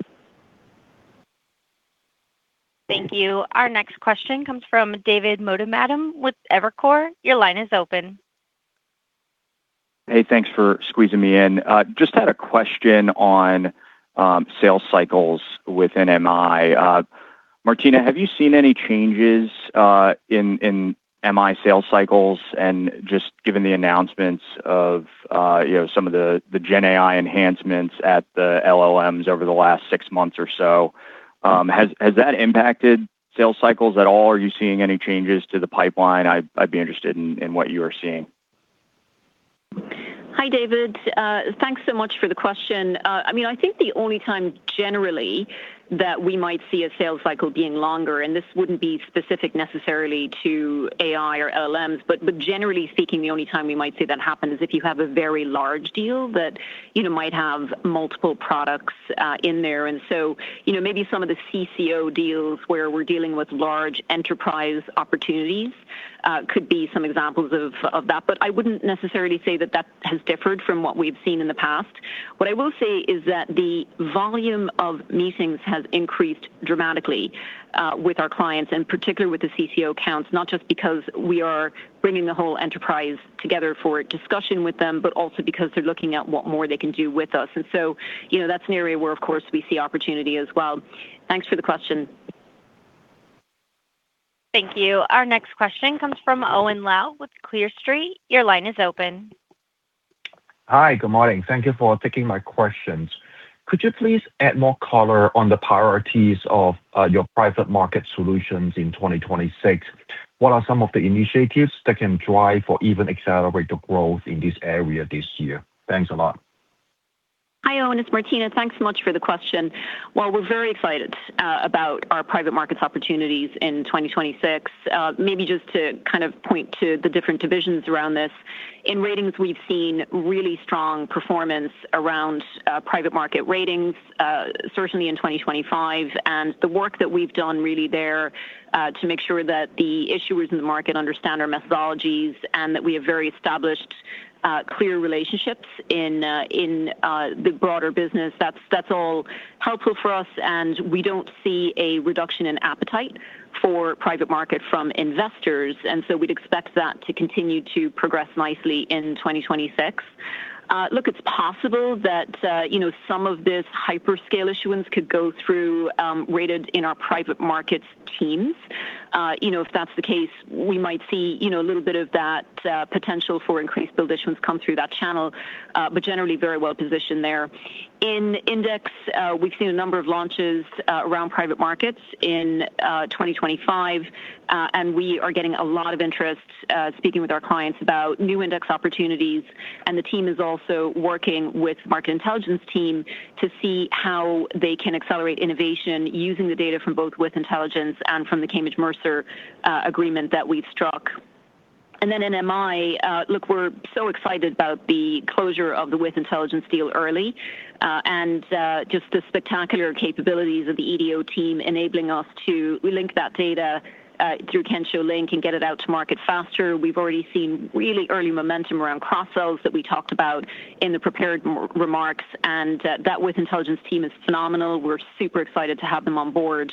Thank you. Our next question comes from David Motemaden with Evercore. Your line is open. Hey, thanks for squeezing me in. Just had a question on sales cycles within MI. Martina, have you seen any changes in MI sales cycles and just given the announcements of, you know, some of the GenAI enhancements at the LLMs over the last six months or so? Has that impacted sales cycles at all? Are you seeing any changes to the pipeline? I'd be interested in what you are seeing. Hi, David. Thanks so much for the question. I mean, I think the only time generally that we might see a sales cycle being longer, and this wouldn't be specific necessarily to AI or LLMs, but generally speaking, the only time we might see that happen is if you have a very large deal that, you know, might have multiple products in there. And so, you know, maybe some of the CCO deals where we're dealing with large enterprise opportunities could be some examples of that. But I wouldn't necessarily say that that has differed from what we've seen in the past. What I will say is that the volume of meetings has increased dramatically, with our clients, and particularly with the CCO accounts, not just because we are bringing the whole enterprise together for discussion with them, but also because they're looking at what more they can do with us. And so, you know, that's an area where, of course, we see opportunity as well. Thanks for the question. Thank you. Our next question comes from Owen Lau with Clear Street. Your line is open. Hi, good morning. Thank you for taking my questions. Could you please add more color on the priorities of your private market solutions in 2026? What are some of the initiatives that can drive or even accelerate the growth in this area this year? Thanks a lot. Hi, Owen, it's Martina. Thanks so much for the question. Well, we're very excited about our private markets opportunities in 2026. Maybe just to kind of point to the different divisions around this. In ratings, we've seen really strong performance around private market ratings, certainly in 2025, and the work that we've done really there to make sure that the issuers in the market understand our methodologies and that we have very established clear relationships in the broader business. That's all helpful for us, and we don't see a reduction in appetite for private market from investors, and so we'd expect that to continue to progress nicely in 2026. Look, it's possible that you know, some of this hyperscale issuance could go through rated in our private markets teams. You know, if that's the case, we might see, you know, a little bit of that, potential for increased build issuance come through that channel, but generally very well-positioned there. In index, we've seen a number of launches around private markets in 2025, and we are getting a lot of interest speaking with our clients about new index opportunities. And the team is also working with Market Intelligence team to see how they can accelerate innovation using the data from both With Intelligence and from the Cambridge-Mercer agreement that we've struck. And then in MI, look, we're so excited about the closure of the With Intelligence deal early, and just the spectacular capabilities of the EDO team, enabling us to re-link that data through Kensho Link and get it out to market faster. We've already seen really early momentum around cross-sells that we talked about in the prepared remarks, and that With Intelligence team is phenomenal. We're super excited to have them on board.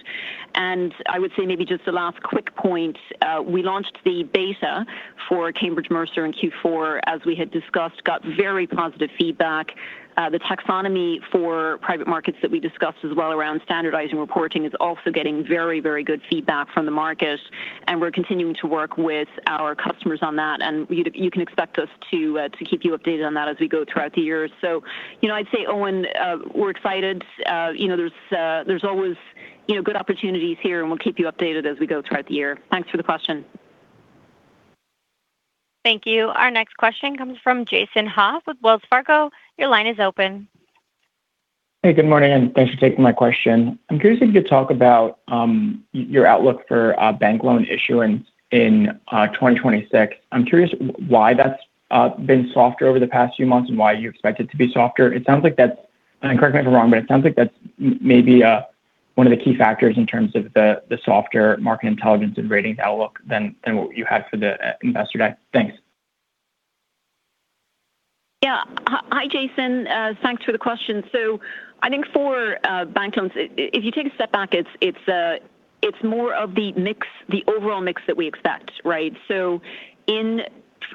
And I would say maybe just a last quick point. We launched the beta for Cambridge Mercer in Q4, as we had discussed, got very positive feedback. The taxonomy for private markets that we discussed as well around standardizing reporting is also getting very, very good feedback from the market, and we're continuing to work with our customers on that, and you can expect us to keep you updated on that as we go throughout the year. So, you know, I'd say, Owen, we're excited. You know, there's always, you know, good opportunities here, and we'll keep you updated as we go throughout the year. Thanks for the question. Thank you. Our next question comes from Jason Haas with Wells Fargo. Your line is open. Hey, good morning, and thanks for taking my question. I'm curious if you could talk about your outlook for bank loan issuance in 2026. I'm curious why that's been softer over the past few months and why you expect it to be softer. It sounds like that's... And correct me if I'm wrong, but it sounds like that's maybe one of the key factors in terms of the softer market intelligence and ratings outlook than what you had for the Investor Day. Thanks. Yeah. Hi, Jason. Thanks for the question. So I think for bank loans, if you take a step back, it's more of the mix, the overall mix that we expect, right? So in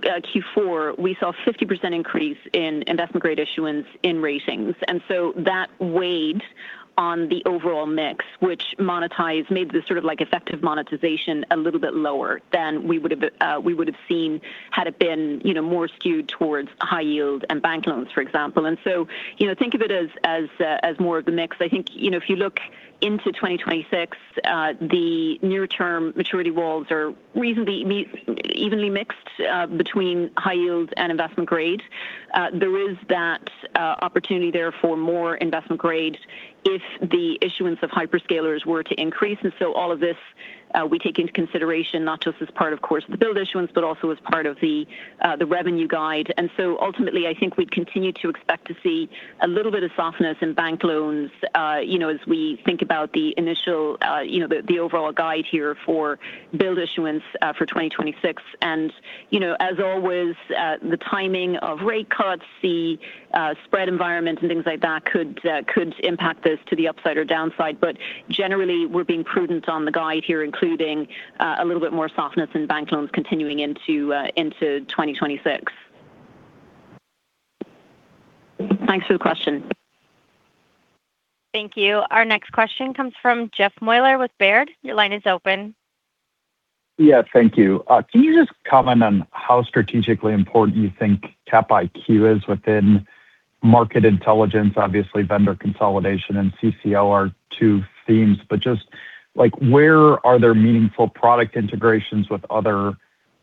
Q4, we saw 50% increase in investment-grade issuance in ratings, and so that weighed on the overall mix, which monetized, made the sort of like effective monetization a little bit lower than we would have seen had it been, you know, more skewed towards high yield and bank loans, for example. And so, you know, think of it as more of the mix. I think, you know, if you look into 2026, the near-term maturity walls are reasonably evenly mixed between high yield and investment grade. There is that opportunity there for more investment grade if the issuance of hyperscalers were to increase. And so all of this we take into consideration not just as part, of course, of the build issuance, but also as part of the revenue guide. And so ultimately, I think we'd continue to expect to see a little bit of softness in bank loans, you know, as we think about the initial, you know, the overall guide here for build issuance for 2026. And, you know, as always, the timing of rate cuts, the spread environment and things like that could impact this to the upside or downside. But generally, we're being prudent on the guide here, including a little bit more softness in bank loans continuing into 2026. Thanks for the question. Thank you. Our next question comes from Jeff Meuler with Baird. Your line is open. Yeah, thank you. Can you just comment on how strategically important you think Cap IQ is within market intelligence? Obviously, vendor consolidation and CCO are two themes, but just, like, where are there meaningful product integrations with other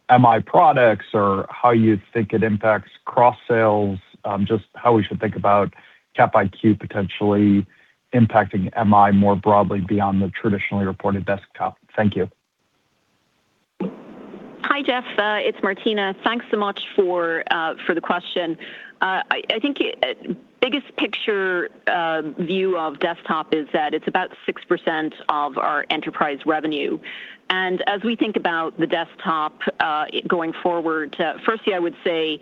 MI products or how you think it impacts cross-sales? Just how we should think about Cap IQ potentially impacting MI more broadly beyond the traditionally reported desktop. Thank you. Hi, Jeff. It's Martina. Thanks so much for the question. I think, biggest picture, view of desktop is that it's about 6% of our enterprise revenue. And as we think about the desktop, going forward, firstly, I would say,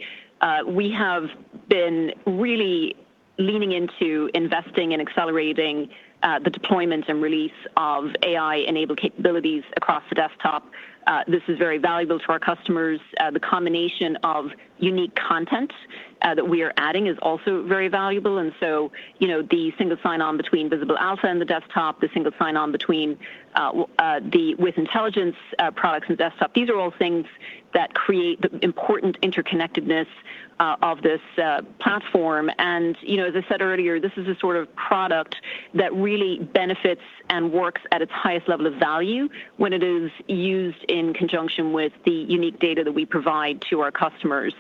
we have been really leaning into investing and accelerating, the deployment and release of AI-enabled capabilities across the desktop. This is very valuable to our customers. The combination of unique content, that we are adding is also very valuable. And so, you know, the single sign-on between Visible Alpha and the desktop, the single sign-on between, the With Intelligence, products and desktop, these are all things that create the important interconnectedness, of this, platform. You know, as I said earlier, this is a sort of product that really benefits and works at its highest level of value when it is used in conjunction with the unique data that we provide to our customers.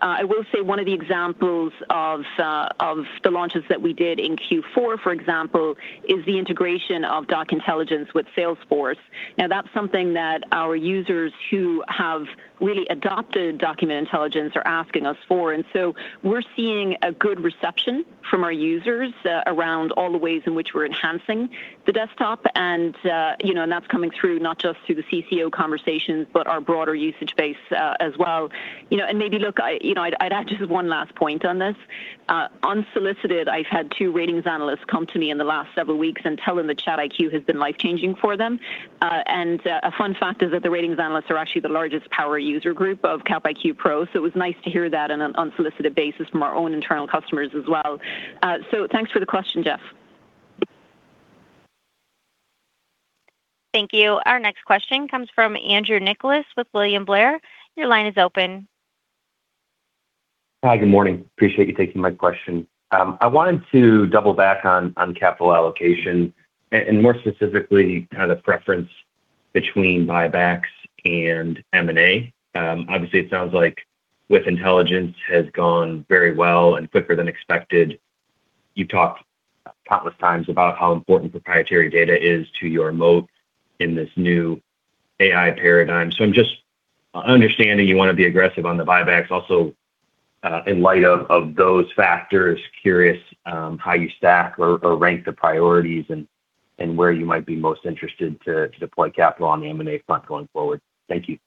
I will say one of the examples of the launches that we did in Q4, for example, is the integration of Document Intelligence with Salesforce. Now, that's something that our users who have really adopted Document Intelligence are asking us for, and so we're seeing a good reception from our users around all the ways in which we're enhancing the desktop. You know, and that's coming through not just through the CCO conversations, but our broader usage base as well. You know, and maybe look, I'd add just one last point on this. Unsolicited, I've had two ratings analysts come to me in the last several weeks and tell them that ChartIQ has been life-changing for them. A fun fact is that the ratings analysts are actually the largest power user group of Cap IQ Pro, so it was nice to hear that on an unsolicited basis from our own internal customers as well. So thanks for the question, Jeff. Thank you. Our next question comes from Andrew Nicholas with William Blair. Your line is open. Hi, good morning. Appreciate you taking my question. I wanted to double back on capital allocation, and more specifically, kind of the preference between buybacks and M&A. Obviously, it sounds like Market Intelligence has gone very well and quicker than expected. You've talked countless times about how important proprietary data is to your moat in this new AI paradigm. So I'm just understanding you want to be aggressive on the buybacks also, in light of those factors. Curious how you stack or rank the priorities and where you might be most interested to deploy capital on the M&A front going forward. Thank you.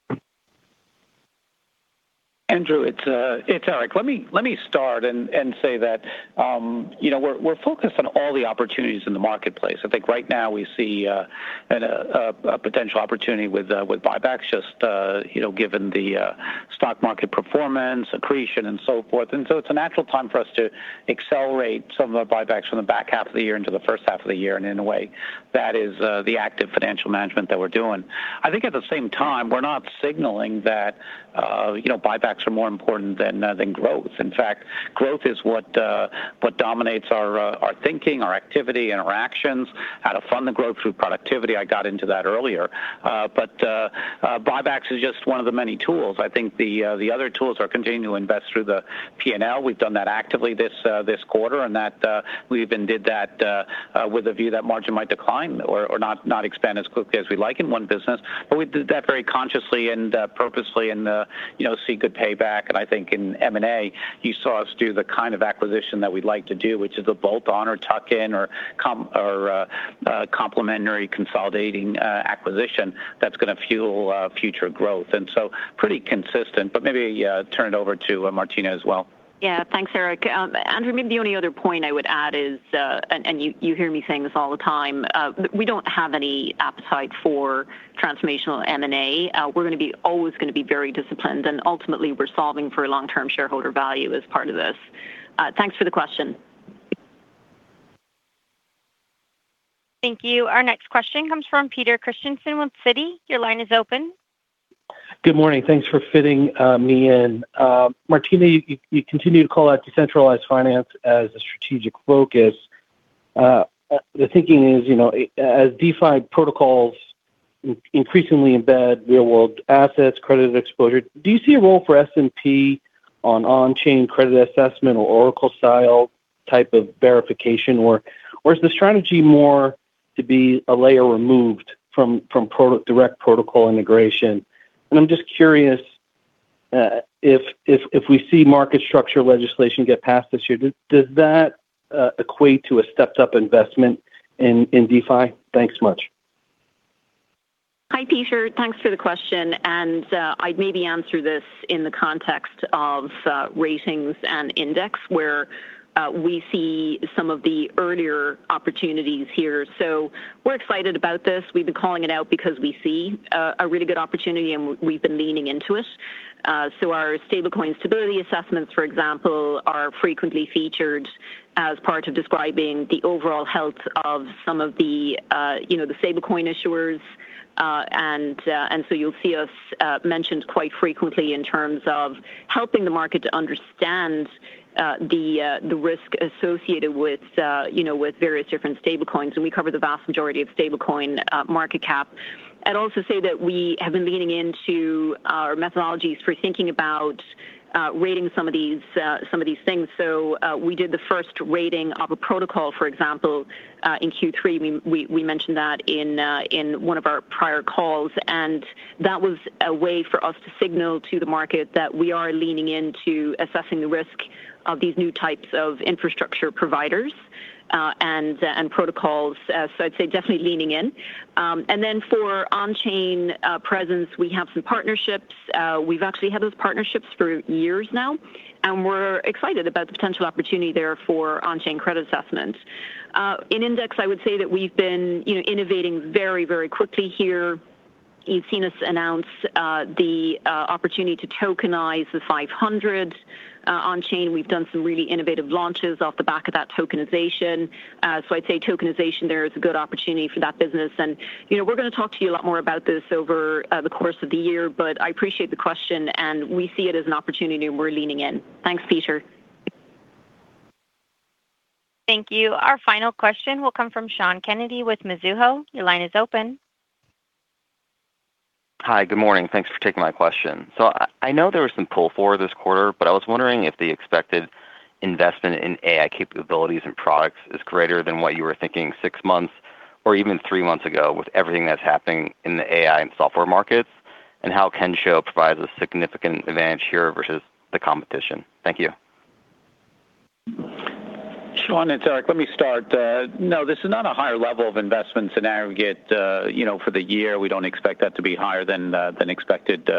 Andrew, it's Eric. Let me start and say that, you know, we're focused on all the opportunities in the marketplace. I think right now we see a potential opportunity with buybacks, just, you know, given the stock market performance, accretion, and so forth. And so it's a natural time for us to accelerate some of the buybacks from the back half of the year into the first half of the year, and in a way, that is the active financial management that we're doing. I think at the same time, we're not signaling that, you know, buybacks are more important than growth. In fact, growth is what dominates our thinking, our activity, and our actions, how to fund the growth through productivity. I got into that earlier. Buybacks is just one of the many tools. I think the other tools are continuing to invest through the P&L. We've done that actively this quarter, and that we even did that with a view that margin might decline or not expand as quickly as we like in one business. But we did that very consciously and purposely and you know see good payback. And I think in M&A, you saw us do the kind of acquisition that we'd like to do, which is a bolt-on or tuck-in or complementary consolidating acquisition that's gonna fuel future growth, and so pretty consistent. But maybe turn it over to Martina as well. Yeah. Thanks, Eric. Andrew, maybe the only other point I would add is, and you hear me saying this all the time, we don't have any appetite for transformational M&A. We're always gonna be very disciplined, and ultimately, we're solving for long-term shareholder value as part of this. Thanks for the question. Thank you. Our next question comes from Peter Christiansen with Citi. Your line is open. Good morning. Thanks for fitting me in. Martina, you continue to call out decentralized finance as a strategic focus. The thinking is, you know, as DeFi protocols increasingly embed real-world assets, credit exposure, do you see a role for S&P on-chain credit assessment or Oracle-style type of verification work? Or is the strategy more to be a layer removed from direct protocol integration? And I'm just curious, if we see market structure legislation get passed this year, does that equate to a stepped-up investment in DeFi? Thanks much. Hi, Peter. Thanks for the question, and, I'd maybe answer this in the context of, Ratings and index, where, we see some of the earlier opportunities here. So we're excited about this. We've been calling it out because we see, a really good opportunity, and we've been leaning into it. So our stablecoin stability assessments, for example, are frequently featured as part of describing the overall health of some of the, you know, the stablecoin issuers. And so you'll see us, mentioned quite frequently in terms of helping the market to understand, the, the risk associated with, you know, with various different stablecoins, and we cover the vast majority of stablecoin, market cap. I'd also say that we have been leaning into our methodologies for thinking about rating some of these, some of these things. So we did the first rating of a protocol, for example, in Q3. We mentioned that in one of our prior calls, and that was a way for us to signal to the market that we are leaning into assessing the risk of these new types of infrastructure providers, and protocols. So I'd say definitely leaning in. And then for on-chain presence, we have some partnerships. We've actually had those partnerships for years now, and we're excited about the potential opportunity there for on-chain credit assessments. In index, I would say that we've been, you know, innovating very, very quickly here. You've seen us announce the opportunity to tokenize the 500 on-chain. We've done some really innovative launches off the back of that tokenization. So I'd say tokenization, there is a good opportunity for that business. And, you know, we're gonna talk to you a lot more about this over the course of the year, but I appreciate the question, and we see it as an opportunity, and we're leaning in. Thanks, Peter. Thank you. Our final question will come from Sean Kennedy with Mizuho. Your line is open. Hi, good morning. Thanks for taking my question. So I know there was some pull forward this quarter, but I was wondering if the expected investment in AI capabilities and products is greater than what you were thinking six months or even three months ago, with everything that's happening in the AI and software markets, and how Kensho provides a significant advantage here versus the competition? Thank you. Sean, it's Eric. Let me start. No, this is not a higher level of investment scenario to get, you know, for the year. We don't expect that to be higher than expected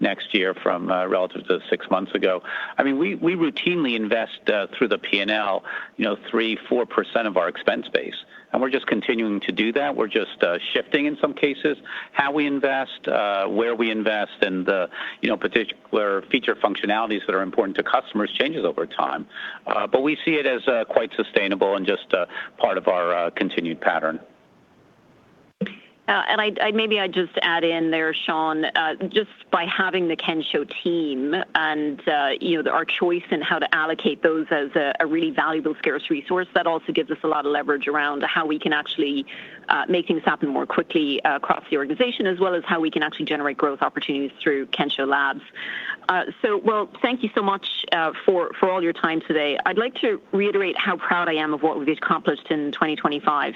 next year from relative to six months ago. I mean, we routinely invest through the P&L, you know, 3%-4% of our expense base, and we're just continuing to do that. We're just shifting, in some cases, how we invest, where we invest, and, you know, particularly where feature functionalities that are important to customers changes over time. But we see it as quite sustainable and just a part of our continued pattern. I'd maybe just add in there, Sean, just by having the Kensho team and, you know, our choice in how to allocate those as a really valuable, scarce resource, that also gives us a lot of leverage around how we can actually make things happen more quickly across the organization, as well as how we can actually generate growth opportunities through Kensho Labs. So well, thank you so much for all your time today. I'd like to reiterate how proud I am of what we've accomplished in 2025.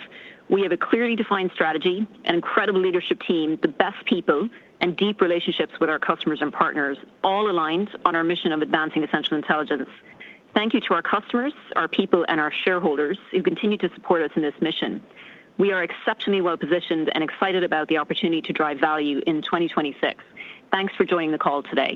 We have a clearly defined strategy, an incredible leadership team, the best people, and deep relationships with our customers and partners, all aligned on our mission of advancing essential intelligence. Thank you to our customers, our people, and our shareholders who continue to support us in this mission. We are exceptionally well positioned and excited about the opportunity to drive value in 2026. Thanks for joining the call today.